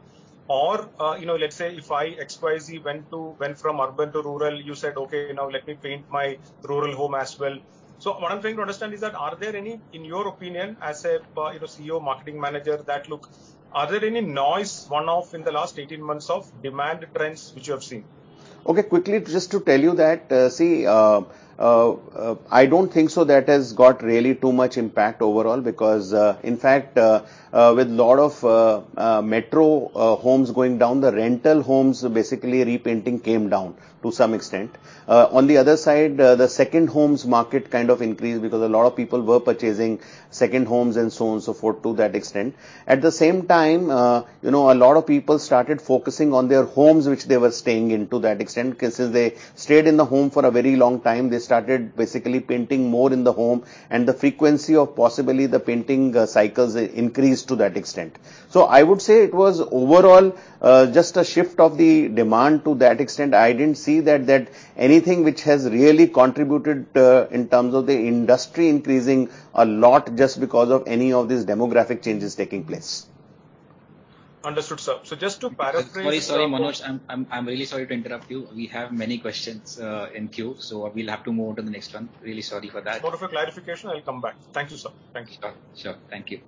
or, you know, let's say if, say, I went from urban to rural, you said, "Okay, now let me paint my rural home as well." What I'm trying to understand is that are there any, in your opinion, as a, you know, CEO, marketing manager that looks, are there any one-off noise in the last 18 months of demand trends which you have seen? Okay. Quickly just to tell you that, see, I don't think so that has got really too much impact overall because, in fact, with a lot of metro homes going down, the rental homes basically repainting came down to some extent. On the other side, the second homes market kind of increased because a lot of people were purchasing second homes and so on and so forth to that extent. At the same time, you know, a lot of people started focusing on their homes, which they were staying in to that extent. Since they stayed in the home for a very long time, they started basically painting more in the home, and the frequency of possibly the painting cycles increased to that extent. I would say it was overall just a shift of the demand to that extent. I didn't see that anything which has really contributed in terms of the industry increasing a lot just because of any of these demographic changes taking place. Understood, sir. Just to paraphrase. Sorry, sir, Manoj. I'm really sorry to interrupt you. We have many questions in queue, so we'll have to move on to the next one. Really sorry for that. Just for clarification, I will come back. Thank you, sir. Thank you, sir. Sure. Thank you.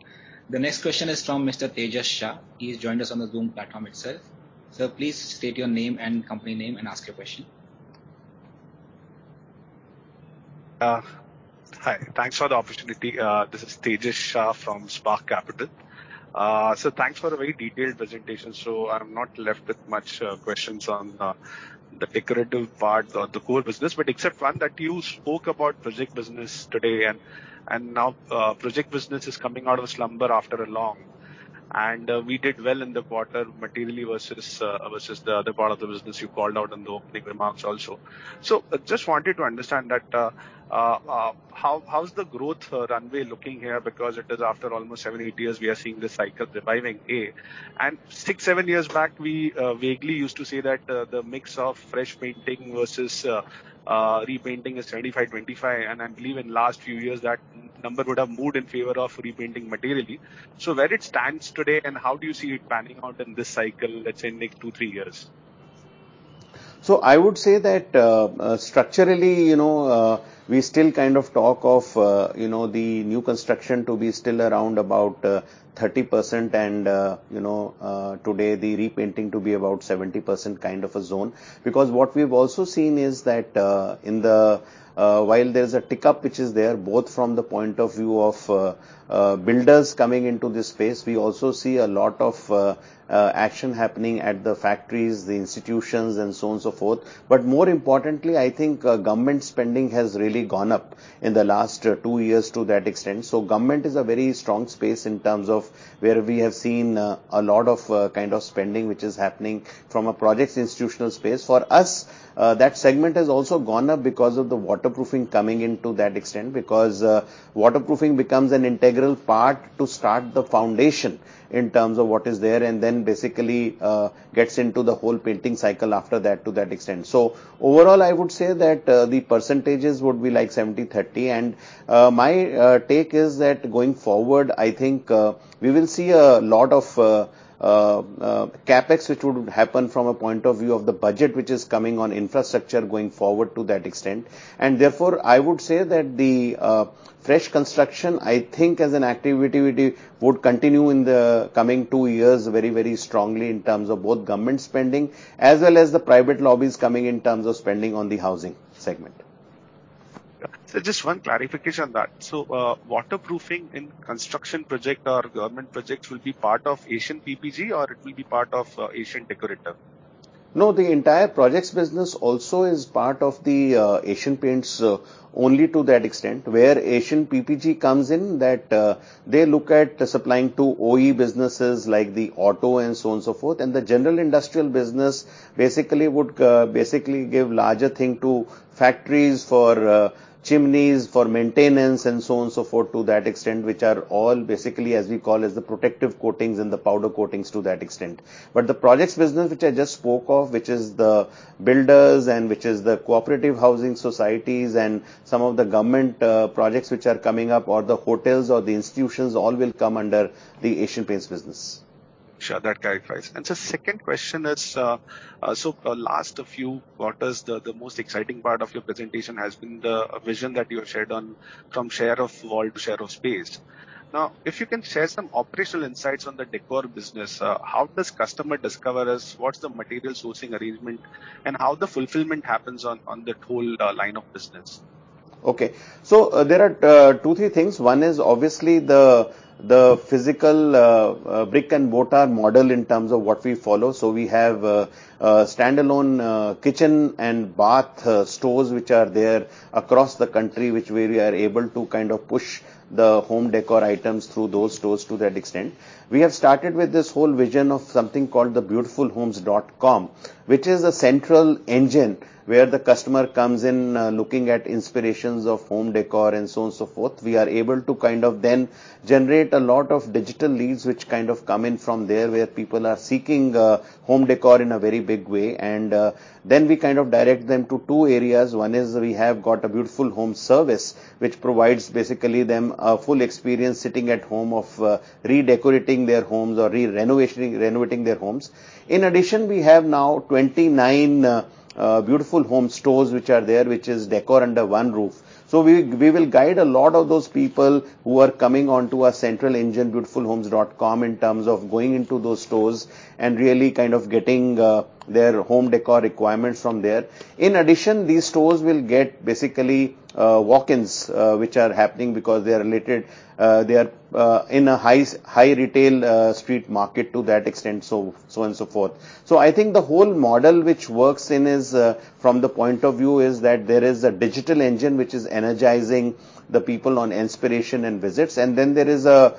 The next question is from Mr. Tejas Shah. He's joined us on the Zoom platform itself. Sir, please state your name and company name and ask your question. Hi. Thanks for the opportunity. This is Tejas Shah from Spark Capital. Thanks for the very detailed presentation. I'm not left with much questions on the decorative part or the core business, but except one, that you spoke about project business today and now project business is coming out of slumber after a long. We did well in the quarter materially versus the other part of the business you called out in the opening remarks also. Just wanted to understand that how's the growth runway looking here because it is after almost seven, eight years we are seeing this cycle reviving. Six, seven years back we vaguely used to say that the mix of fresh painting versus repainting is 25/25, and I believe in last few years that number would have moved in favor of repainting materially. Where it stands today, and how do you see it panning out in this cycle, let's say next two, three years? I would say that, structurally, you know, we still kind of talk of, you know, the new construction to be still around about 30% and, you know, today the repainting to be about 70% kind of a zone. Because what we've also seen is that, in the meanwhile there's a tick-up which is there, both from the point of view of builders coming into this space, we also see a lot of action happening at the factories, the institutions, and so on and so forth. More importantly, I think, government spending has really gone up in the last two-years to that extent. Government is a very strong space in terms of where we have seen a lot of kind of spending which is happening from a projects institutional space. For us, that segment has also gone up because of the waterproofing coming in to that extent. Because waterproofing becomes an integral part to start the foundation in terms of what is there, and then basically gets into the whole painting cycle after that to that extent. Overall, I would say that the percentages would be like 70/30. My take is that going forward, I think we will see a lot of CapEx which would happen from a point of view of the budget which is coming on infrastructure going forward to that extent. Therefore, I would say that the fresh construction, I think as an activity would continue in the coming two-years very, very strongly in terms of both government spending as well as the private lobbies coming in terms of spending on the housing segment. Yeah. Just one clarification on that. Waterproofing in construction project or government projects will be part of Asian PPG or it will be part of Asian Decorator? No, the entire projects business also is part of the Asian Paints only to that extent. Where Asian Paints PPG comes in, they look at supplying to OE businesses like the auto and so on and so forth. The general industrial business basically would give larger thing to factories for chimneys, for maintenance, and so on and so forth to that extent, which are all basically as we call as the protective coatings and the powder coatings to that extent. The projects business which I just spoke of, which is the builders and which is the cooperative housing societies and some of the government projects which are coming up or the hotels or the institutions all will come under the Asian Paints business. Sure. That clarifies. Second question is, so last few quarters the most exciting part of your presentation has been the vision that you have shared on from share of wallet to share of space. Now, if you can share some operational insights on the décor business. How does customer discover us? What's the material sourcing arrangement? And how the fulfillment happens on that whole line of business? Okay. There are two, three things. One is obviously the physical brick-and-mortar model in terms of what we follow. We have standalone kitchen and bath stores which are there across the country, which way we are able to kind of push the home decor items through those stores to that extent. We have started with this whole vision of something called the beautifulhomes.asianpaints.com, which is a central engine where the customer comes in looking at inspirations of home decor and so on and so forth. We are able to kind of then generate a lot of digital leads which kind of come in from there, where people are seeking home decor in a very big way. We kind of direct them to two areas. One is we have got a Beautiful Homes Service which provides basically them a full experience sitting at home of redecorating their homes or renovating their homes. In addition, we have now 29 Beautiful Homes stores which are there, which is décor under one roof. We will guide a lot of those people who are coming onto our central engine, beautifulhomes.asianpaints.com, in terms of going into those stores and really kind of getting their home décor requirements from there. In addition, these stores will get basically walk-ins which are happening because they are located in a high street retail market to that extent, so on and so forth. I think the whole model which works in is, from the point of view is that there is a digital engine which is energizing the people on inspiration and visits, and then there is a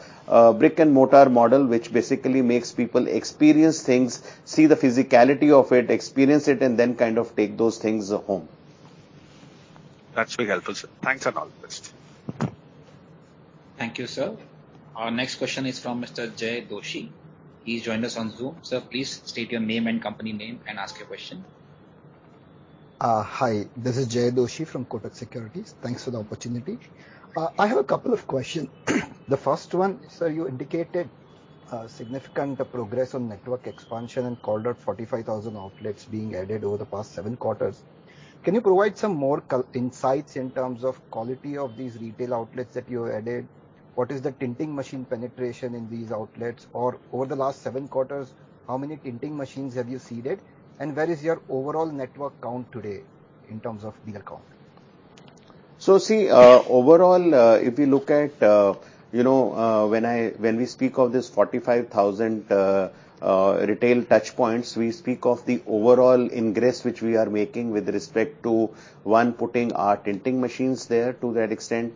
brick-and-mortar model which basically makes people experience things, see the physicality of it, experience it, and then kind of take those things home. That's very helpful, sir. Thanks a lot. Best. Thank you, sir. Our next question is from Mr. Jay Doshi. He's joined us on Zoom. Sir, please state your name and company name and ask your question. Hi. This is Jaykumar Doshi from Kotak Securities. Thanks for the opportunity. I have a couple of questions. The first one, sir, you indicated significant progress on network expansion and called out 45,000 outlets being added over the past seven quarters. Can you provide some more insights in terms of quality of these retail outlets that you added? What is the tinting machine penetration in these outlets? Or over the last seven quarters, how many tinting machines have you seeded and where is your overall network count today in terms of dealer count? Overall, if you look at, you know, when we speak of this 45,000 retail touchpoints, we speak of the overall ingress which we are making with respect to, one, putting our tinting machines there to that extent.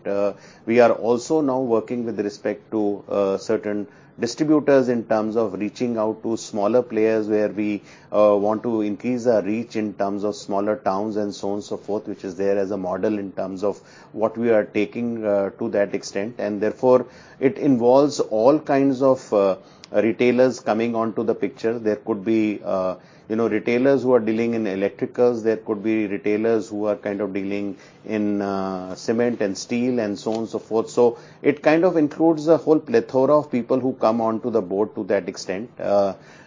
We are also now working with respect to certain distributors in terms of reaching out to smaller players where we want to increase our reach in terms of smaller towns and so on and so forth, which is there as a model in terms of what we are taking to that extent. Therefore, it involves all kinds of retailers coming onto the picture. There could be, you know, retailers who are dealing in electricals. There could be retailers who are kind of dealing in cement and steel and so on, so forth. It kind of includes a whole plethora of people who come onto the board to that extent.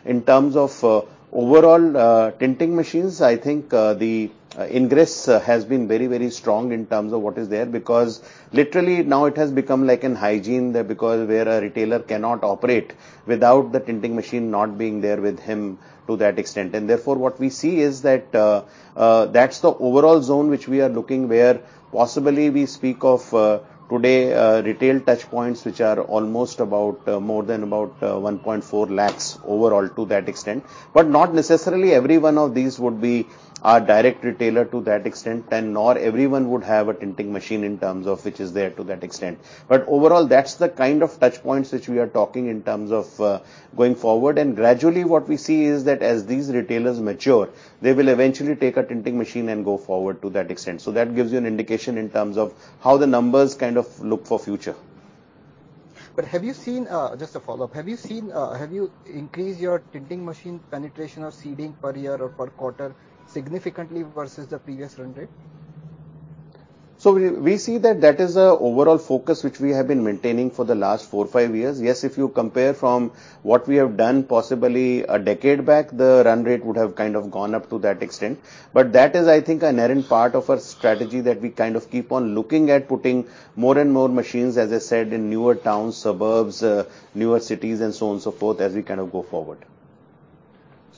In terms of overall tinting machines, I think the ingress has been very, very strong in terms of what is there, because literally now it has become like a hygiene there because where a retailer cannot operate without the tinting machine not being there with him to that extent. Therefore, what we see is that that's the overall zone which we are looking where possibly we speak of today retail touchpoints, which are almost more than about 1.4 lakhs overall to that extent. But not necessarily every one of these would be our direct retailer to that extent, and nor everyone would have a tinting machine in terms of which is there to that extent. Overall, that's the kind of touchpoints which we are talking in terms of, going forward. Gradually, what we see is that as these retailers mature, they will eventually take a tinting machine and go forward to that extent. That gives you an indication in terms of how the numbers kind of look for future. Just a follow-up. Have you increased your tinting machine penetration or seeding per year or per quarter significantly versus the previous run rate? We see that is an overall focus which we have been maintaining for the last four, five years. Yes, if you compare from what we have done possibly a decade back, the run rate would have kind of gone up to that extent. But that is, I think, an inherent part of our strategy that we kind of keep on looking at putting more and more machines, as I said, in newer towns, suburbs, newer cities and so on, so forth, as we kind of go forward.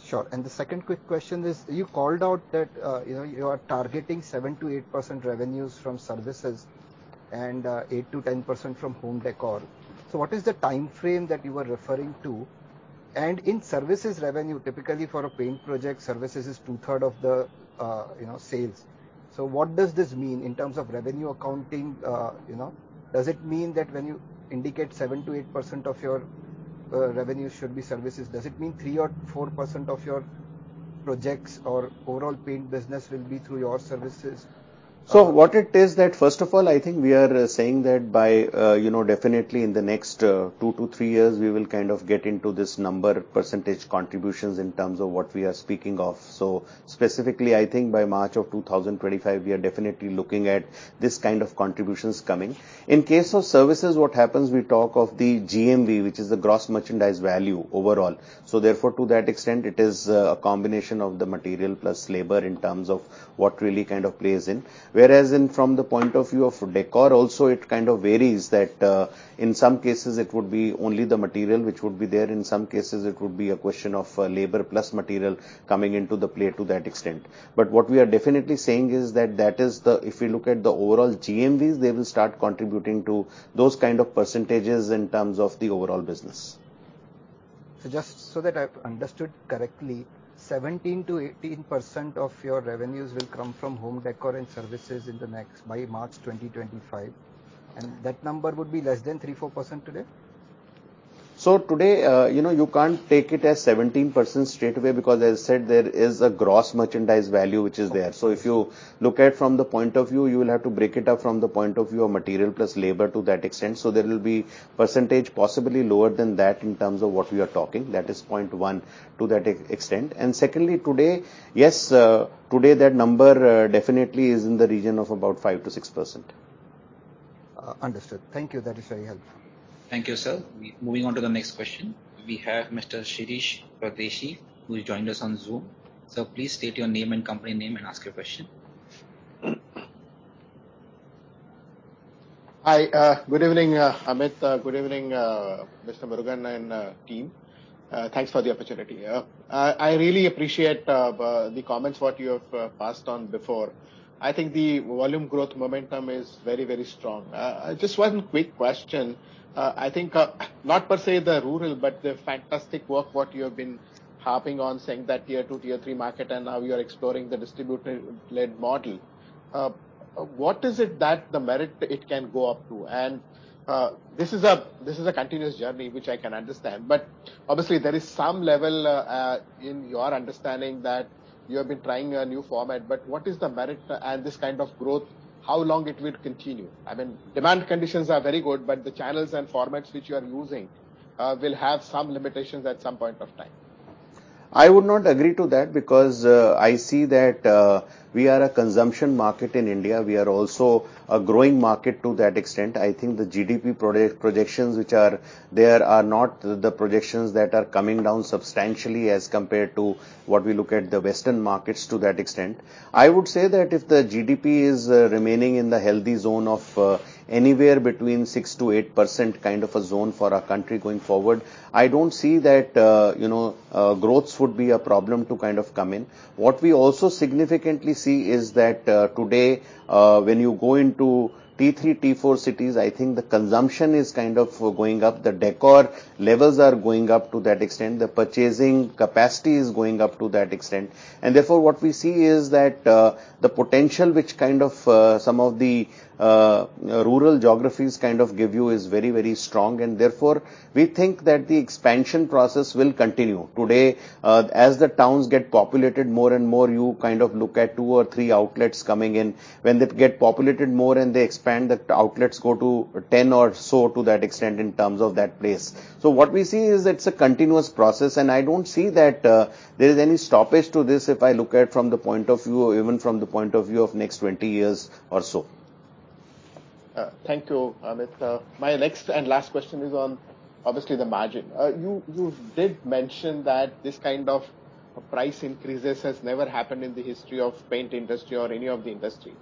Sure. The second quick question is, you called out that you are targeting 7%-8% revenues from services and 8%-10% from home decor. What is the time frame that you were referring to? In services revenue, typically for a paint project, services is two-thirds of the sales. What does this mean in terms of revenue accounting? Does it mean that when you indicate 7%-8% of your revenue should be services, does it mean 3% or 4% of your projects or overall paint business will be through your services? What it is that, first of all, I think we are saying that by, you know, definitely in the next 2-3 years, we will kind of get into this number percentage contributions in terms of what we are speaking of. Specifically, I think by March 2025, we are definitely looking at this kind of contributions coming. In case of services, what happens, we talk of the GMV, which is the gross merchandise value overall. Therefore, to that extent, it is a combination of the material plus labor in terms of what really kind of plays in. Whereas in from the point of view of decor also, it kind of varies that, in some cases it would be only the material which would be there. In some cases it would be a question of, labor plus material coming into the play to that extent. What we are definitely saying is that if you look at the overall GMVs, they will start contributing to those kind of percentages in terms of the overall business. Just so that I've understood correctly, 17%-18% of your revenues will come from home decor and services in the next, by March 2025, and that number would be less than 3-4% today? Today, you know, you can't take it as 17% straightaway because as I said, there is a gross merchandise value which is there. If you look at from the point of view, you will have to break it up from the point of view of material plus labor to that extent. There will be percentage possibly lower than that in terms of what we are talking. That is point one to that extent. And secondly, today, yes, today that number, definitely is in the region of about 5%-6%. Understood. Thank you. That is very helpful. Thank you, sir. Moving on to the next question. We have Mr. Shirish Pardeshi who joined us on Zoom. Sir, please state your name and company name and ask your question. Hi. Good evening, Amit. Good evening, Mr. Jeyamurugan and team. Thanks for the opportunity. I really appreciate the comments what you have passed on before. I think the volume growth momentum is very, very strong. Just one quick question. I think not per se the rural, but the fantastic work what you have been harping on, saying that tier two, tier three market, and now you are exploring the distributor-led model. What is it that the market it can go up to? This is a continuous journey, which I can understand, but obviously there is some level in your understanding that you have been trying a new format, but what is the market and this kind of growth, how long it will continue? I mean, demand conditions are very good, but the channels and formats which you are using will have some limitations at some point of time. I would not agree to that because I see that we are a consumption market in India. We are also a growing market to that extent. I think the GDP projections which are there are not the projections that are coming down substantially as compared to what we look at the Western markets to that extent. I would say that if the GDP is remaining in the healthy zone of anywhere between 6%-8% kind of a zone for our country going forward, I don't see that you know growth would be a problem to kind of come in. What we also significantly see is that today when you go into T3, T4 cities, I think the consumption is kind of going up. The decor levels are going up to that extent. The purchasing capacity is going up to that extent. Therefore, what we see is that, the potential which kind of, some of the, rural geographies kind of give you is very, very strong. Therefore, we think that the expansion process will continue. Today, as the towns get populated more and more, you kind of look at 2 or 3 outlets coming in. When they get populated more and they expand, the outlets go to 10 or so to that extent in terms of that place. What we see is it's a continuous process, and I don't see that, there is any stoppage to this if I look at from the point of view or even from the point of view of next 20-years or so. Thank you, Amit. My next and last question is on obviously the margin. You did mention that this kind of price increases has never happened in the history of paint industry or any of the industry.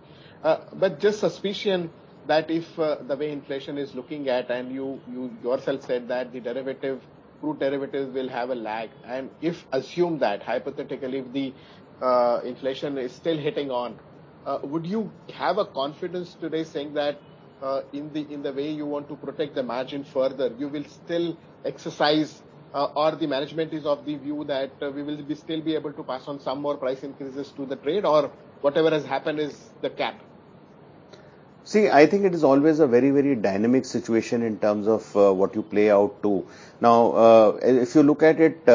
But just suspicion that if the way inflation is looking at, and you yourself said that the derivative, crude derivatives will have a lag. If assume that hypothetically, if the inflation is still hitting on, would you have a confidence today saying that in the way you want to protect the margin further, you will still exercise, or the management is of the view that we will still be able to pass on some more price increases to the trade or whatever has happened is the cap? See, I think it is always a very, very dynamic situation in terms of what you play out to. Now, if you look at it,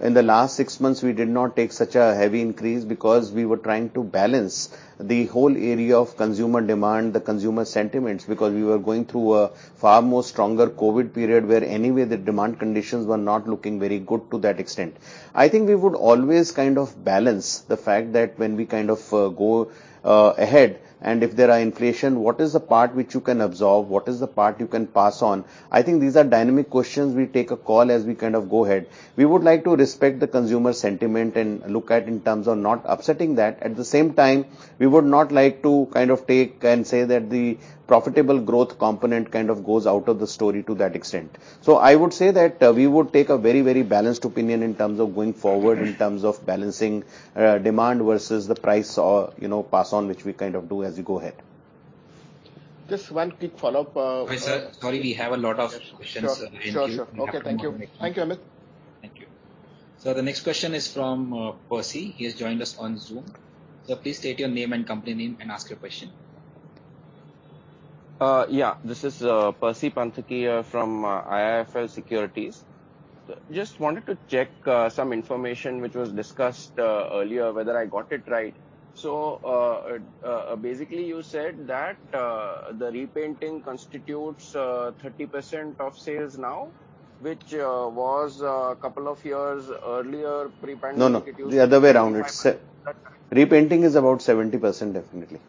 in the last six months, we did not take such a heavy increase because we were trying to balance the whole area of consumer demand, the consumer sentiments, because we were going through a far more stronger COVID period, where anyway the demand conditions were not looking very good to that extent. I think we would always kind of balance the fact that when we kind of go ahead, and if there are inflation, what is the part which you can absorb? What is the part you can pass on? I think these are dynamic questions. We take a call as we kind of go ahead. We would like to respect the consumer sentiment and look at in terms of not upsetting that. At the same time, we would not like to kind of take and say that the profitable growth component kind of goes out of the story to that extent. I would say that, we would take a very, very balanced opinion in terms of going forward, in terms of balancing, demand versus the price or, you know, pass on, which we kind of do as we go ahead. Just one quick follow-up. Sir, sorry, we have a lot of questions in queue. Sure, sure. Okay. Thank you. Thank you, Amit. Thank you. The next question is from Percy. He has joined us on Zoom. Please state your name and company name and ask your question. Yeah. This is Percy Panthaki from IIFL Securities. Just wanted to check some information which was discussed earlier, whether I got it right. Basically, you said that the repainting constitutes 30% of sales now, which was a couple of years earlier, pre-pandemic it used to be- No, no, the other way around. It's repainting is about 70%, definitely.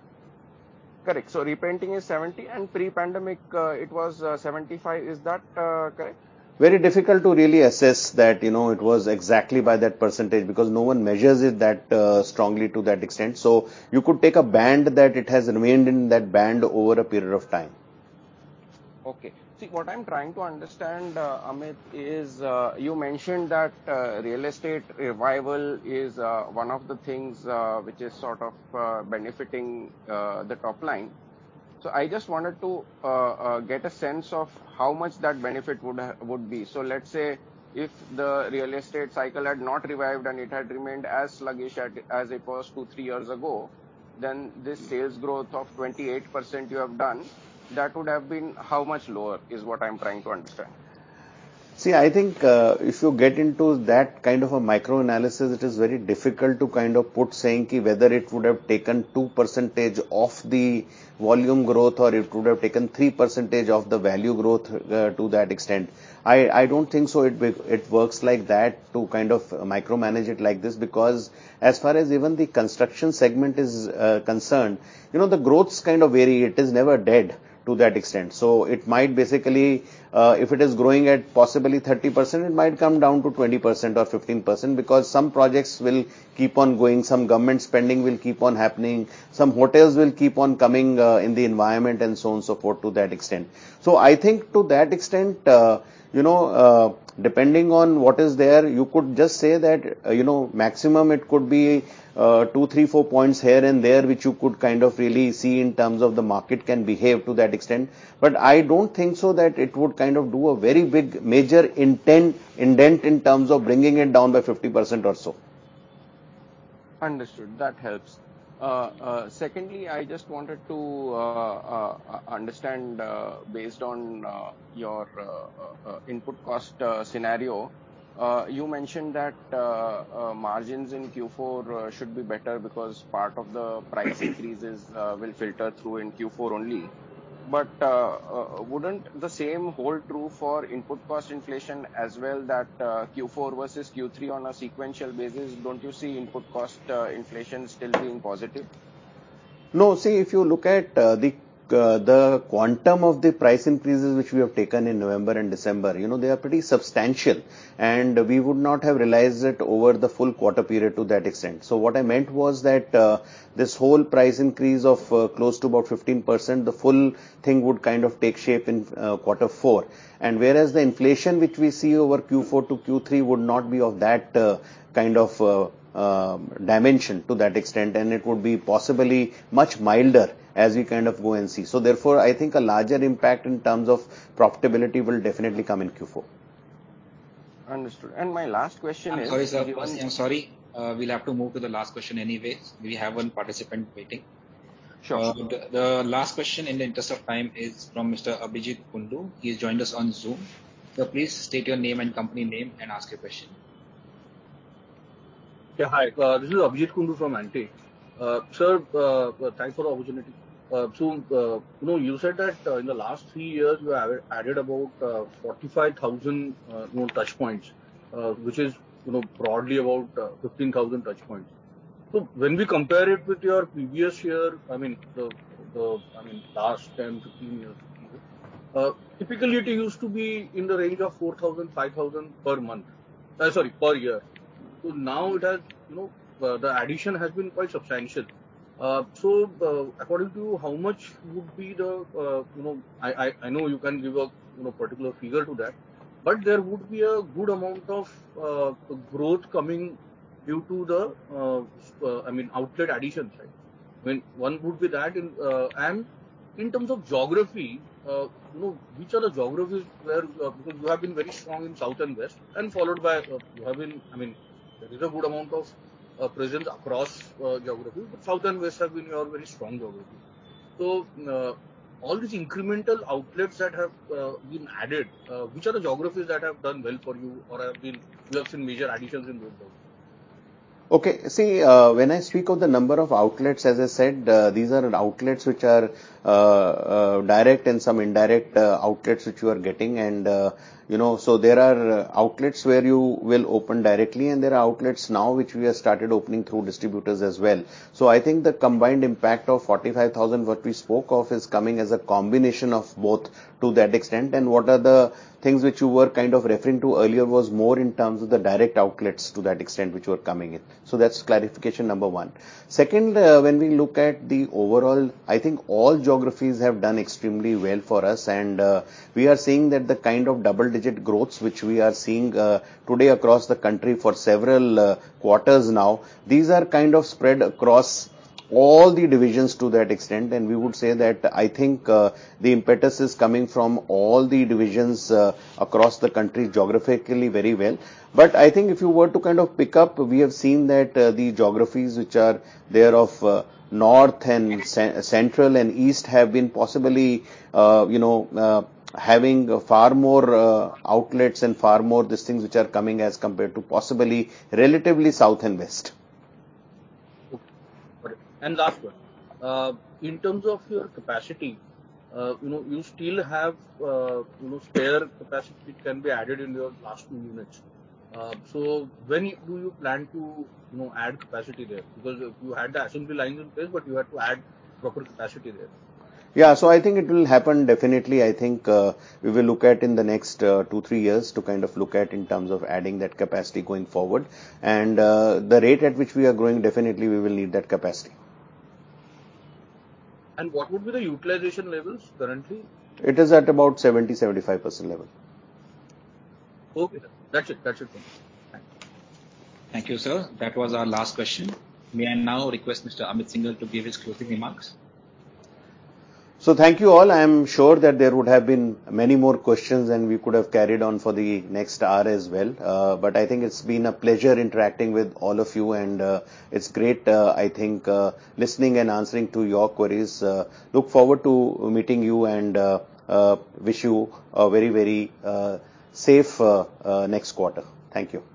Correct. Repainting is 70% and pre-pandemic, it was 75%. Is that correct? Very difficult to really assess that, you know, it was exactly by that percentage because no one measures it that strongly to that extent. You could take a band that it has remained in that band over a period of time. Okay. See, what I'm trying to understand, Amit, is you mentioned that real estate revival is one of the things which is sort of benefiting the top-line. I just wanted to get a sense of how much that benefit would be. Let's say if the real estate cycle had not revived and it had remained as sluggish as it was two, three years ago, then this sales growth of 28% you have done, that would have been how much lower, is what I'm trying to understand. I think if you get into that kind of a microanalysis, it is very difficult to kind of put saying whether it would have taken 2% of the volume growth or it would have taken 3% of the value growth to that extent. I don't think so it works like that to kind of micromanage it like this, because as far as even the construction segment is concerned, you know, the growth kind of vary. It is never set to that extent. It might basically if it is growing at possibly 30%, it might come down to 20% or 15% because some projects will keep on going, some government spending will keep on happening, some hotels will keep on coming in the environment and so on, so forth to that extent. I think to that extent, you know, depending on what is there, you could just say that, you know, maximum it could be, 2, 3, 4 points here and there, which you could kind of really see in terms of the market can behave to that extent. I don't think so that it would kind of do a very big major dent in terms of bringing it down by 50% or so. Understood. That helps. Secondly, I just wanted to understand based on your input cost scenario. You mentioned that margins in Q4 should be better because part of the price increases will filter through in Q4 only. Wouldn't the same hold true for input cost inflation as well that Q4 versus Q3 on a sequential basis, don't you see input cost inflation still being positive? No. See, if you look at the quantum of the price increases which we have taken in November and December, you know, they are pretty substantial, and we would not have realized it over the full quarter period to that extent. What I meant was that this whole price increase of close to about 15%, the full thing would kind of take shape in Q4. Whereas the inflation which we see over Q4 to Q3 would not be of that kind of dimension to that extent, and it would be possibly much milder as we kind of go and see. Therefore, I think a larger impact in terms of profitability will definitely come in Q4. Understood. My last question is- I'm sorry, sir. I'm sorry. We'll have to move to the last question anyway. We have one participant waiting. Sure. The last question in the interest of time is from Mr. Abhijeet Kundu. He has joined us on Zoom. Sir, please state your name and company name and ask your question. Yeah, hi. This is Abhijeet Kundu from Antique. Sir, thanks for the opportunity. You know, you said that in the last 3-years you have added about 45,000 you know, touch points, which is you know, broadly about 15,000 touch points. When we compare it with your previous year, I mean, the last 10 to 15 years, typically it used to be in the range of 4,000, 5,000 per month. Sorry, per year. Now it has you know, the addition has been quite substantial. According to you, how much would be the you know... I know you can't give, you know, a particular figure to that, but there would be a good amount of growth coming due to the, I mean, outlet addition side. I mean, one would be that. In terms of geography, you know, which are the geographies where, because you have been very strong in South and West. I mean, there is a good amount of presence across geography, but South and West have been your very strong geography. All these incremental outlets that have been added, which are the geographies that have done well for you or you have seen major additions in those areas? Okay. See, when I speak of the number of outlets, as I said, these are outlets which are direct and some indirect outlets which we are getting and, you know. There are outlets where you will open directly, and there are outlets now which we have started opening through distributors as well. I think the combined impact of 45,000 what we spoke of is coming as a combination of both to that extent. What are the things which you were kind of referring to earlier was more in terms of the direct outlets to that extent which were coming in. That's clarification number one. Second, when we look at the overall, I think all geographies have done extremely well for us, and we are seeing that the kind of double-digits growth which we are seeing today across the country for several quarters now, these are kind of spread across all the divisions to that extent. We would say that I think the impetus is coming from all the divisions across the country geographically very well. I think if you were to kind of pick up, we have seen that the geographies which are there of North and Central and East have been possibly having far more outlets and far more these things which are coming as compared to possibly relatively South and West. Okay. Got it. Last one. In terms of your capacity, you know, you still have, you know, spare capacity which can be added in your last two units. When do you plan to, you know, add capacity there? Because you had the assembly line in place, but you have to add proper capacity there. I think it will happen definitely. I think, we will look at in the next, 2-3 years to kind of look at in terms of adding that capacity going forward. The rate at which we are growing, definitely we will need that capacity. What would be the utilization levels currently? It is at about 70%-75% level. Okay. That's it. That's it from me. Thank you. Thank you, sir. That was our last question. May I now request Mr. Amit Syngle to give his closing remarks? Thank you, all. I am sure that there would have been many more questions, and we could have carried on for the next hour as well. But I think it's been a pleasure interacting with all of you, and it's great, I think, listening and answering to your queries. Look forward to meeting you and wish you a very safe next quarter. Thank you.